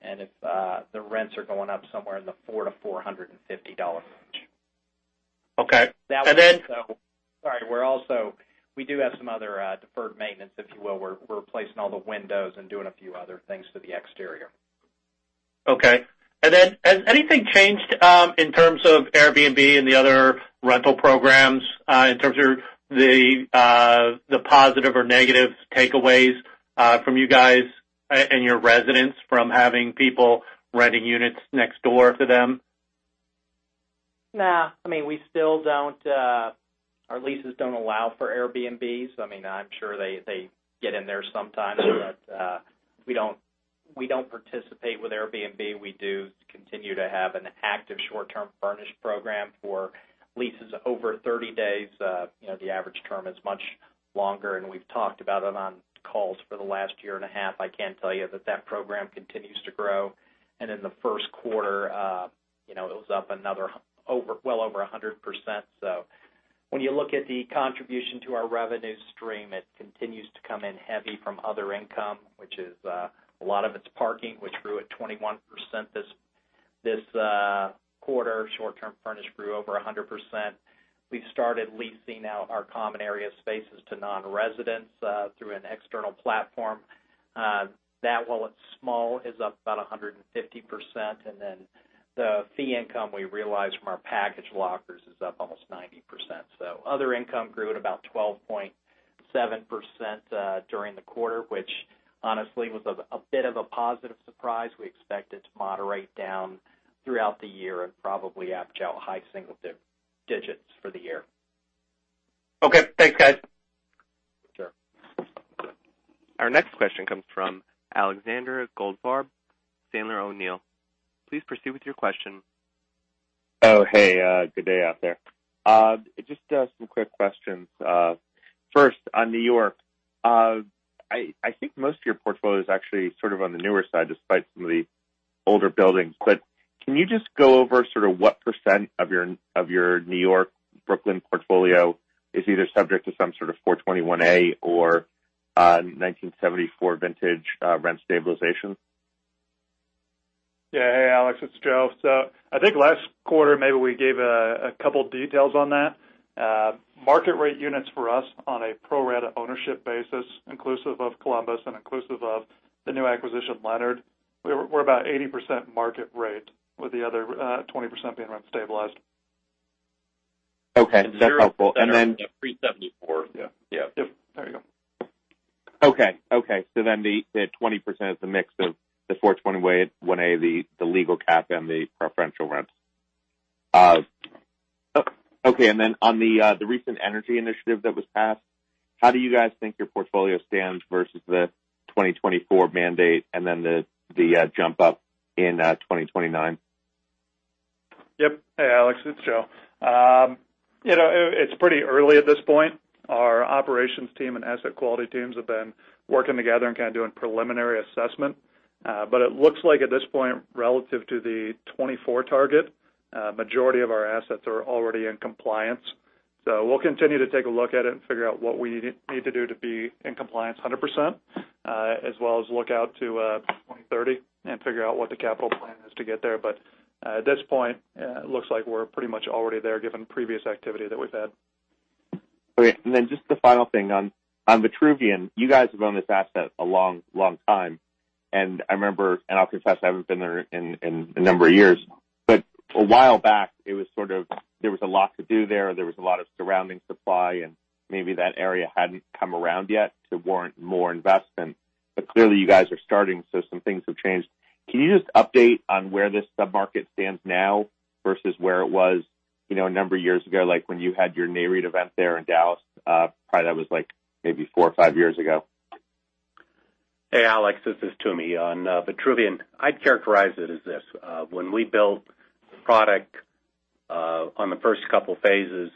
and the rents are going up somewhere in the $400-$450 range. Okay. Sorry. We do have some other deferred maintenance, if you will. We're replacing all the windows and doing a few other things to the exterior. Okay. Then has anything changed in terms of Airbnb and the other rental programs in terms of the positive or negative takeaways from you guys and your residents from having people renting units next door to them? No. Our leases don't allow for Airbnbs. I'm sure they get in there sometimes, but we don't participate with Airbnb. We do continue to have an active short-term furnish program for leases over 30 days. The average term is much longer, and we've talked about it on calls for the last year and a half. I can tell you that that program continues to grow, and in the first quarter, it was up well over 100%. When you look at the contribution to our revenue stream, it continues to come in heavy from other income, which a lot of it's parking, which grew at 21% this quarter. Short-term furnish grew over 100%. We've started leasing out our common area spaces to non-residents through an external platform. That, while it's small, is up about 150%. And then the fee income we realize from our package lockers is up almost 90%. Other income grew at about 12.7% during the quarter, which honestly was a bit of a positive surprise. We expect it to moderate down throughout the year and probably. Okay. Thanks, guys. Sure. Our next question comes from Alexander Goldfarb, Sandler O'Neill. Please proceed with your question. Hey. Good day out there. Just some quick questions. First, on New York, I think most of your portfolio is actually sort of on the newer side, despite some of the older buildings. Can you just go over what percent of your New York Brooklyn portfolio is either subject to some sort of 421-a or 1974 vintage rent stabilization? Yeah. Hey, Alex, it's Joe. I think last quarter, maybe we gave a couple of details on that. Market rate units for us on a pro rata ownership basis, inclusive of Columbus Square and inclusive of the new acquisition, Leonard Pointe, we're about 80% market rate, with the other 20% being rent-stabilized. Okay. That's helpful. 374. Yeah. Yep. There you go. Okay. The 20% is the mix of the 421-a, the legal cap, and the preferential rent. Okay. On the recent energy initiative that was passed, how do you guys think your portfolio stands versus the 2024 mandate and then the jump up in 2029? Yep. Hey, Alex, it's Joe. It's pretty early at this point. Our operations team and asset quality teams have been working together and doing preliminary assessment. It looks like at this point, relative to the 2024 target, majority of our assets are already in compliance. We'll continue to take a look at it and figure out what we need to do to be in compliance 100%, as well as look out to 2030 and figure out what the capital plan is to get there. At this point, it looks like we're pretty much already there given previous activity that we've had. Okay. Just the final thing on Vitruvian. You guys have owned this asset a long time, I'll confess I haven't been there in a number of years. A while back, there was a lot to do there. There was a lot of surrounding supply, maybe that area hadn't come around yet to warrant more investment. Clearly you guys are starting, some things have changed. Can you just update on where this sub-market stands now versus where it was a number of years ago, like when you had your Nareit event there in Dallas? Probably that was maybe four or five years ago. Hey, Alex, this is Toomey on Vitruvian. I'd characterize it as this. When we built the product on the first couple of phases,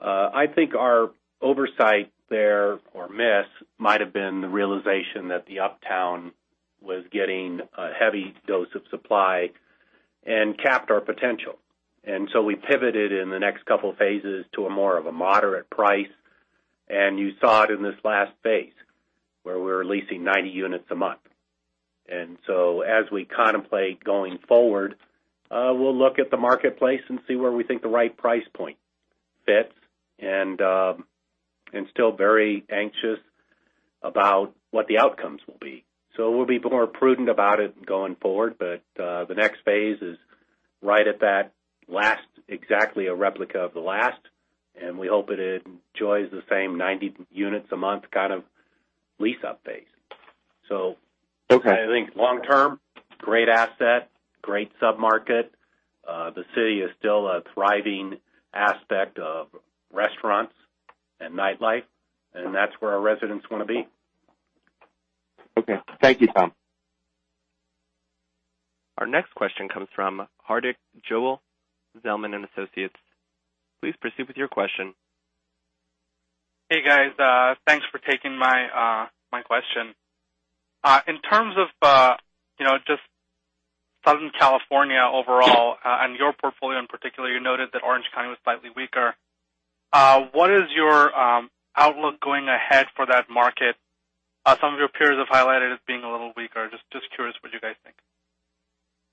I think our oversight there, or miss, might've been the realization that the uptown was getting a heavy dose of supply and capped our potential. We pivoted in the next couple of phases to a more of a moderate price, you saw it in this last phase, where we're leasing 90 units a month. As we contemplate going forward, we'll look at the marketplace and see where we think the right price point fits, still very anxious about what the outcomes will be. We'll be more prudent about it going forward, the next phase is right at that last, exactly a replica of the last, and we hope it enjoys the same 90 units a month lease-up base. Okay. I think long term, great asset, great sub-market. The city is still a thriving aspect of restaurants and nightlife, that's where our residents want to be. Okay. Thank you, Tom. Our next question comes from Hardik Goel, Zelman & Associates. Please proceed with your question. Hey, guys. Thanks for taking my question. In terms of just Southern California overall, and your portfolio in particular, you noted that Orange County was slightly weaker. What is your outlook going ahead for that market? Some of your peers have highlighted it as being a little weaker. Just curious what you guys think.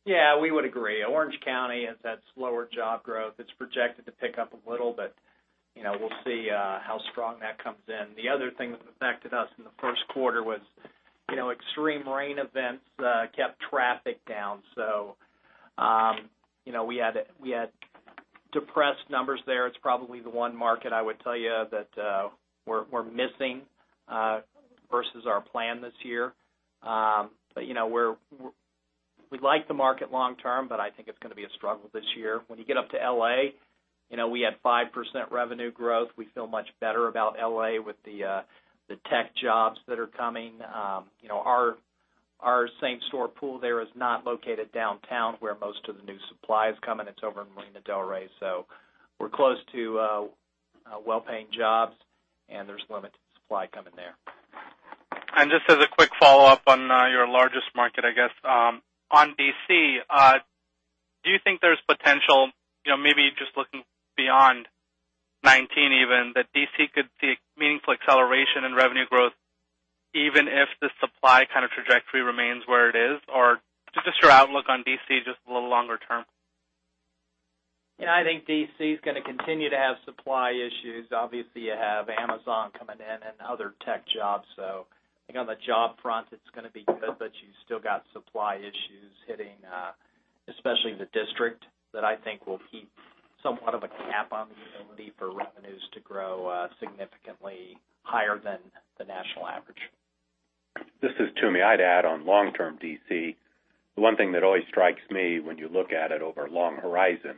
Yeah. We would agree. Orange County has had slower job growth. It's projected to pick up a little, but we'll see how strong that comes in. The other thing that affected us in the first quarter was extreme rain events kept traffic down. We had depressed numbers there. It's probably the one market I would tell you that we're missing versus our plan this year. We like the market long term, but I think it's going to be a struggle this year. When you get up to L.A., we had 5% revenue growth. We feel much better about L.A. with the tech jobs that are coming. Our same store pool there is not located downtown, where most of the new supply is coming. It's over in Marina del Rey. We're close to well-paying jobs, and there's limited supply coming there. Just as a quick follow-up on your largest market, I guess, on D.C., do you think there's potential, maybe just looking beyond 2019 even, that D.C. could see meaningful acceleration in revenue growth even if the supply kind of trajectory remains where it is? Or just your outlook on D.C., just a little longer term. I think D.C.'s going to continue to have supply issues. Obviously, you have Amazon coming in and other tech jobs. I think on the job front, it's going to be good, but you still got supply issues hitting especially the district that I think will keep somewhat of a cap on the ability for revenues to grow significantly higher than the national average. This is Toomey. I'd add on long-term D.C., the one thing that always strikes me when you look at it over a long horizon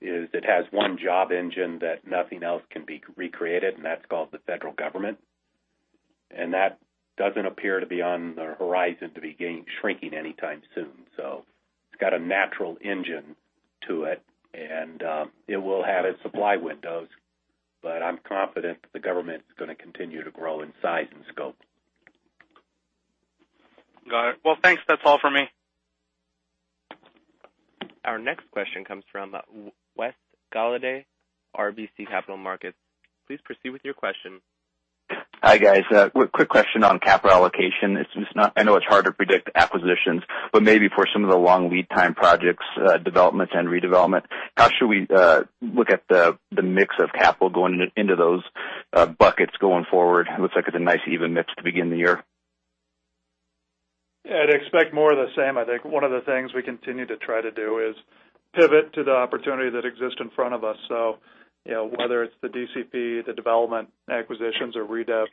is it has one job engine that nothing else can be recreated, and that's called the federal government. That doesn't appear to be on the horizon to be shrinking anytime soon. It's got a natural engine to it, and it will have its supply windows, but I'm confident that the government's going to continue to grow in size and scope. Got it. Well, thanks. That's all for me. Our next question comes from Wes Golladay, RBC Capital Markets. Please proceed with your question. Hi, guys. Quick question on capital allocation. I know it's hard to predict acquisitions. Maybe for some of the long lead time projects, developments, and redevelopment, how should we look at the mix of capital going into those buckets going forward? It looks like it's a nice even mix to begin the year. Yeah, I'd expect more of the same. I think one of the things we continue to try to do is pivot to the opportunity that exists in front of us. Whether it's the DCP, the development acquisitions or redev,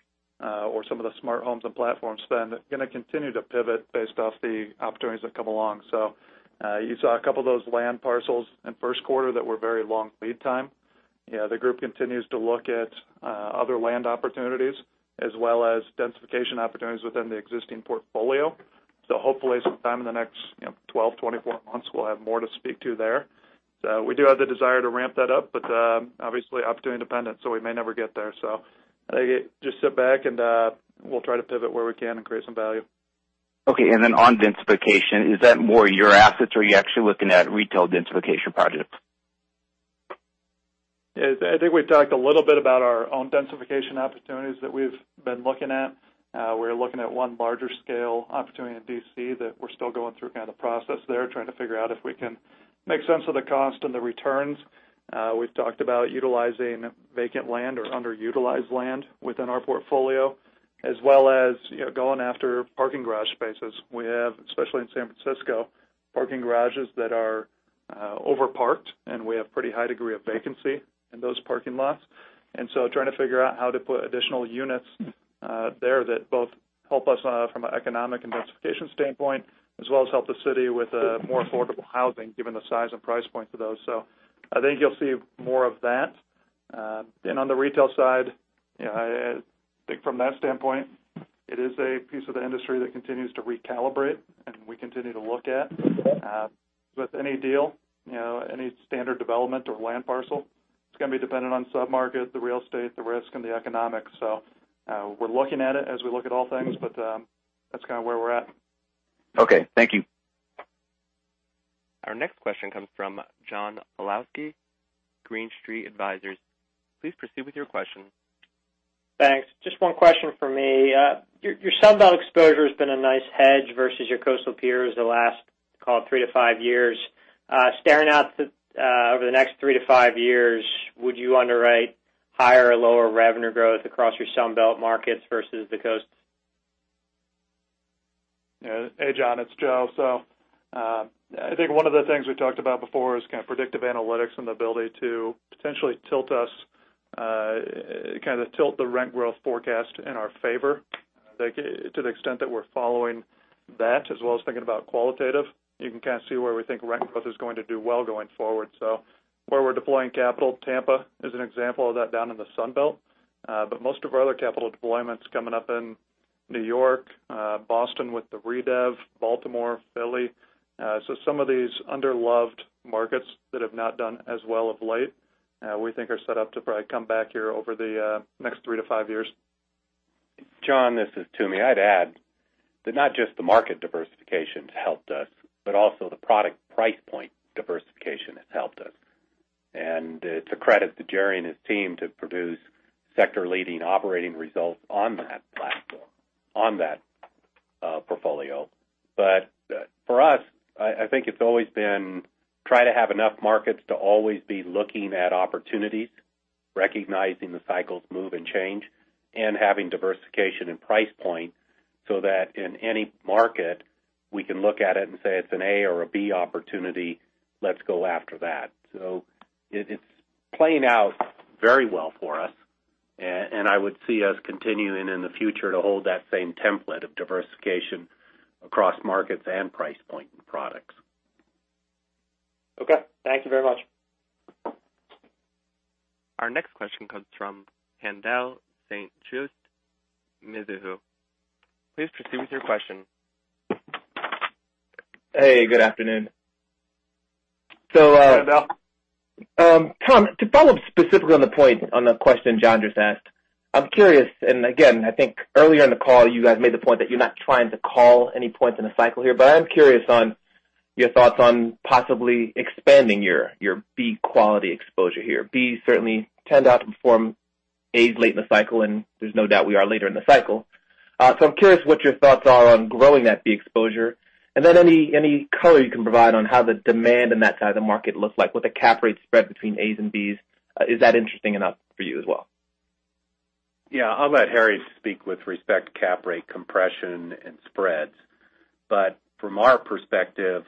or some of the smart homes and platform spend, going to continue to pivot based off the opportunities that come along. You saw a couple of those land parcels in the first quarter that were very long lead time. The group continues to look at other land opportunities as well as densification opportunities within the existing portfolio. Hopefully, sometime in the next 12, 24 months, we'll have more to speak to there. We do have the desire to ramp that up, but obviously opportunity-independent, so we may never get there. I think just sit back and we'll try to pivot where we can and create some value. Okay. On densification, is that more your assets, or are you actually looking at retail densification projects? I think we've talked a little bit about our own densification opportunities that we've been looking at. We're looking at one larger-scale opportunity in D.C. that we're still going through kind of the process there, trying to figure out if we can make sense of the cost and the returns. We've talked about utilizing vacant land or underutilized land within our portfolio, as well as going after parking garage spaces. We have, especially in San Francisco, parking garages that are over-parked, and we have a pretty high degree of vacancy in those parking lots. Trying to figure out how to put additional units there that both help us from an economic and densification standpoint, as well as help the city with more affordable housing, given the size and price point for those. I think you'll see more of that. On the retail side, I think from that standpoint, it is a piece of the industry that continues to recalibrate and we continue to look at. With any deal, any standard development or land parcel, it's going to be dependent on sub-market, the real estate, the risk, and the economics. We're looking at it as we look at all things, but that's kind of where we're at. Okay. Thank you. Our next question comes from John Pawlowski, Green Street Advisors. Please proceed with your question. Thanks. Just one question from me. Your Sun Belt exposure has been a nice hedge versus your coastal peers over the last, call it, 3-5 years. Staring out over the next 3-5 years, would you underwrite higher or lower revenue growth across your Sun Belt markets versus the coast? Hey, John, it's Joe. I think one of the things we talked about before is kind of predictive analytics and the ability to potentially kind of tilt the rent growth forecast in our favor. To the extent that we're following that, as well as thinking about qualitative, you can kind of see where we think rent growth is going to do well going forward. Where we're deploying capital, Tampa is an example of that down in the Sun Belt. Most of our other capital deployment's coming up in New York, Boston with the redev, Baltimore, Philly. Some of these underloved markets that have not done as well of late, we think, are set up to probably come back here over the next three to five years. John, this is Toomey. I'd add that not just the market diversification's helped us, but also the product price point diversification has helped us. It's a credit to Jerry and his team to produce sector-leading operating results on that platform, on that portfolio. For us, I think it's always been try to have enough markets to always be looking at opportunities, recognizing the cycles move and change, and having diversification in price point so that in any market, we can look at it and say, "It's an A or a B opportunity. Let's go after that." It's playing out very well for us, and I would see us continuing in the future to hold that same template of diversification across markets and price point in products. Okay. Thank you very much. Our next question comes from Haendel St. Juste, Mizuho. Please proceed with your question. Hey, good afternoon. Hi, Haendel. Tom, to follow up specifically on the point on the question John just asked, I am curious, and again, I think earlier in the call, you guys made the point that you are not trying to call any points in the cycle here, but I am curious on your thoughts on possibly expanding your B quality exposure here. Bs certainly tend to outperform As late in the cycle, and there is no doubt we are later in the cycle. I am curious what your thoughts are on growing that B exposure. Then any color you can provide on how the demand in that side of the market looks like with the cap rate spread between As and Bs. Is that interesting enough for you as well? Yeah. I will let Harry speak with respect to cap rate compression and spreads. From our perspective,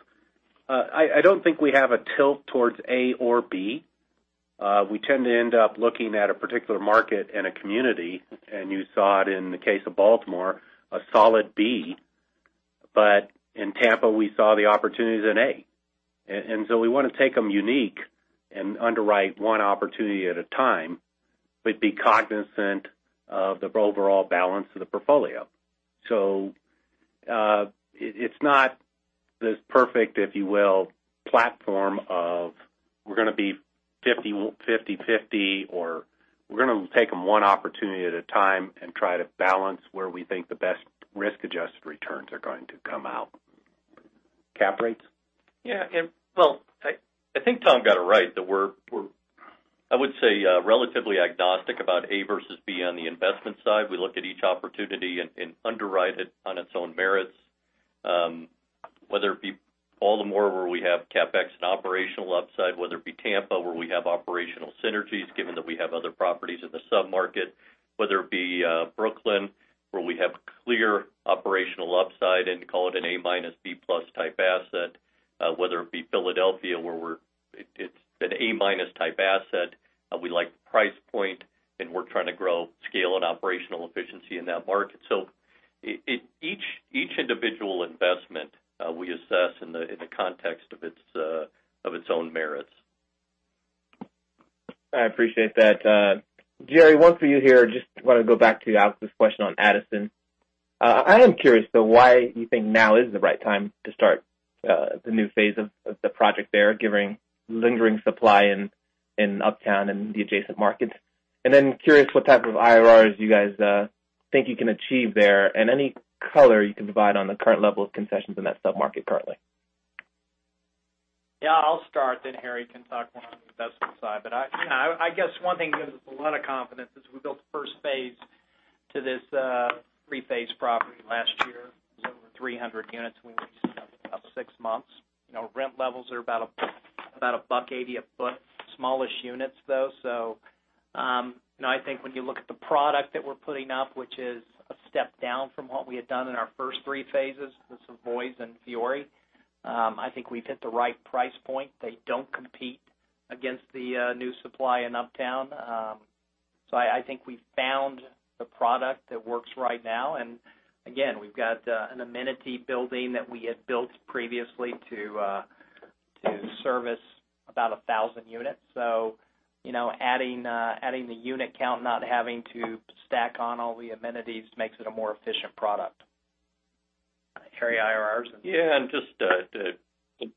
I don't think we have a tilt towards A or B. We tend to end up looking at a particular market and a community, and you saw it in the case of Baltimore, a solid B, but in Tampa, we saw the opportunities in A. We want to take them unique and underwrite one opportunity at a time, but be cognizant of the overall balance of the portfolio. It's not this perfect, if you will, platform of we are going to be 50/50, or we are going to take them one opportunity at a time and try to balance where we think the best risk-adjusted returns are going to come out. Cap rates? I think Tom got it right, that we are, I would say, relatively agnostic about A versus B on the investment side. We look at each opportunity and underwrite it on its own merits, whether it be Baltimore, where we have CapEx and operational upside, whether it be Tampa, where we have operational synergies, given that we have other properties in the sub-market, whether it be Brooklyn, where we have clear operational upside and call it an A- B+ type asset, whether it be Philadelphia, where it's an A- type asset, we like the price point, and we are trying to grow scale and operational efficiency in that market. Each individual investment we assess in the context of its own merits. I appreciate that. Jerry, one for you here. Just want to go back to Alex's question on Addison. I am curious, though, why you think now is the right time to start the new phase of the project there, given lingering supply in Uptown and the adjacent markets? Curious what type of IRRs you guys think you can achieve there, and any color you can provide on the current level of concessions in that sub-market currently. I'll start, Harry can talk more on the investment side. I guess one thing that gives us a lot of confidence is we built the first phase to this three-phase property last year. It was over 300 units. We leased it up in about six months. Rent levels are about a buck eighty a foot. Smallish units, though. I think when you look at the product that we're putting up, which is a step down from what we had done in our first three phases with Savoys and Fiore, I think we've hit the right price point. They don't compete against the new supply in Uptown. I think we've found the product that works right now, and again, we've got an amenity building that we had built previously to service about 1,000 units. Adding the unit count, not having to stack on all the amenities makes it a more efficient product. Harry, IRRs? Just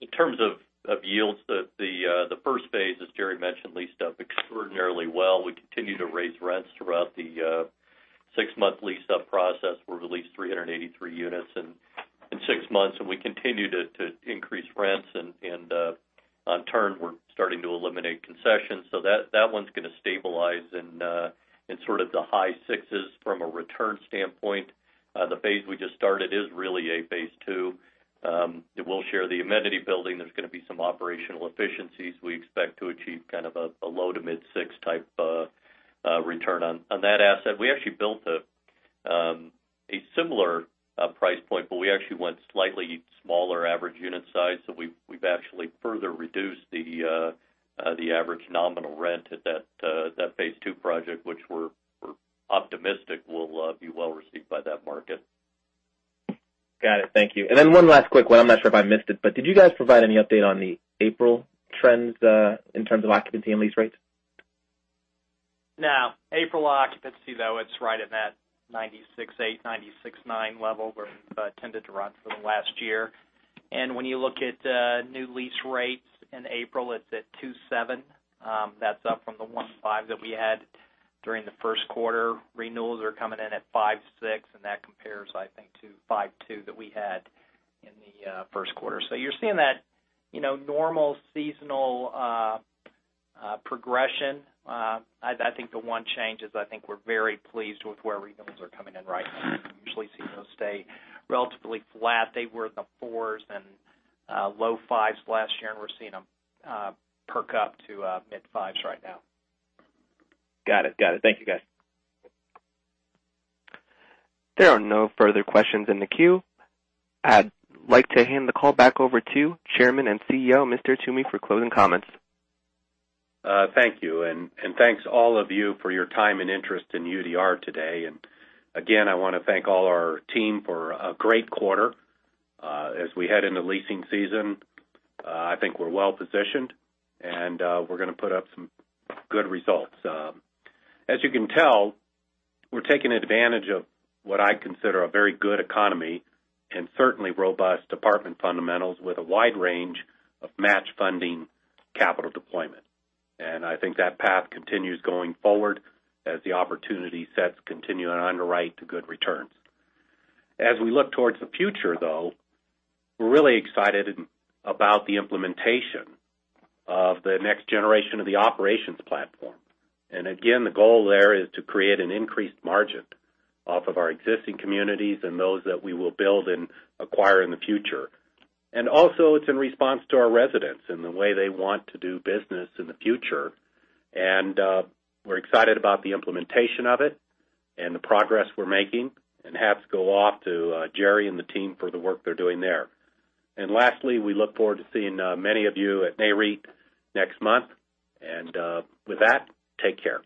in terms of yields, the first phase, as Jerry mentioned, leased up extraordinarily well. We continued to raise rents throughout the six-month lease-up process. We released 383 units in six months, and we continued to increase rents, and in turn, we're starting to eliminate concessions. That one's going to stabilize in sort of the high sixes from a return standpoint. The phase we just started is really a Phase 2. It will share the amenity building. There's going to be some operational efficiencies. We expect to achieve kind of a low-to-mid six type of return on that asset. We actually built a similar price point, but we actually went slightly smaller average unit size. We've actually further reduced the average nominal rent at that Phase 2 project, which we're optimistic will be well-received by that market. Got it. Thank you. One last quick one. I'm not sure if I missed it, did you guys provide any update on the April trends in terms of occupancy and lease rates? No. April occupancy, though, it's right in that 96.8%, 96.9% level where we've tended to run for the last year. When you look at new lease rates in April, it's at 2.7. That's up from the 1.5 that we had during the first quarter. Renewals are coming in at 5.6, that compares, I think, to 5.2 that we had in the first quarter. You're seeing that normal seasonal progression. I think the one change is I think we're very pleased with where renewals are coming in right now. We usually see those stay relatively flat. They were in the fours and low fives last year, we're seeing them perk up to mid-fives right now. Got it. Thank you, guys. There are no further questions in the queue. I'd like to hand the call back over to Chairman and CEO, Mr. Toomey, for closing comments. Thank you. Thanks all of you for your time and interest in UDR today. Again, I want to thank all our team for a great quarter. As we head into leasing season, I think we're well-positioned, we're going to put up some good results. As you can tell, we're taking advantage of what I consider a very good economy and certainly robust apartment fundamentals with a wide range of match funding capital deployment. I think that path continues going forward as the opportunity sets continue to underwrite to good returns. As we look towards the future, though, we're really excited about the implementation of the next generation of the operations platform. Again, the goal there is to create an increased margin off of our existing communities and those that we will build and acquire in the future. Also, it's in response to our residents and the way they want to do business in the future. We're excited about the implementation of it and the progress we're making, and hats go off to Jerry and the team for the work they're doing there. Lastly, we look forward to seeing many of you at Nareit next month. With that, take care.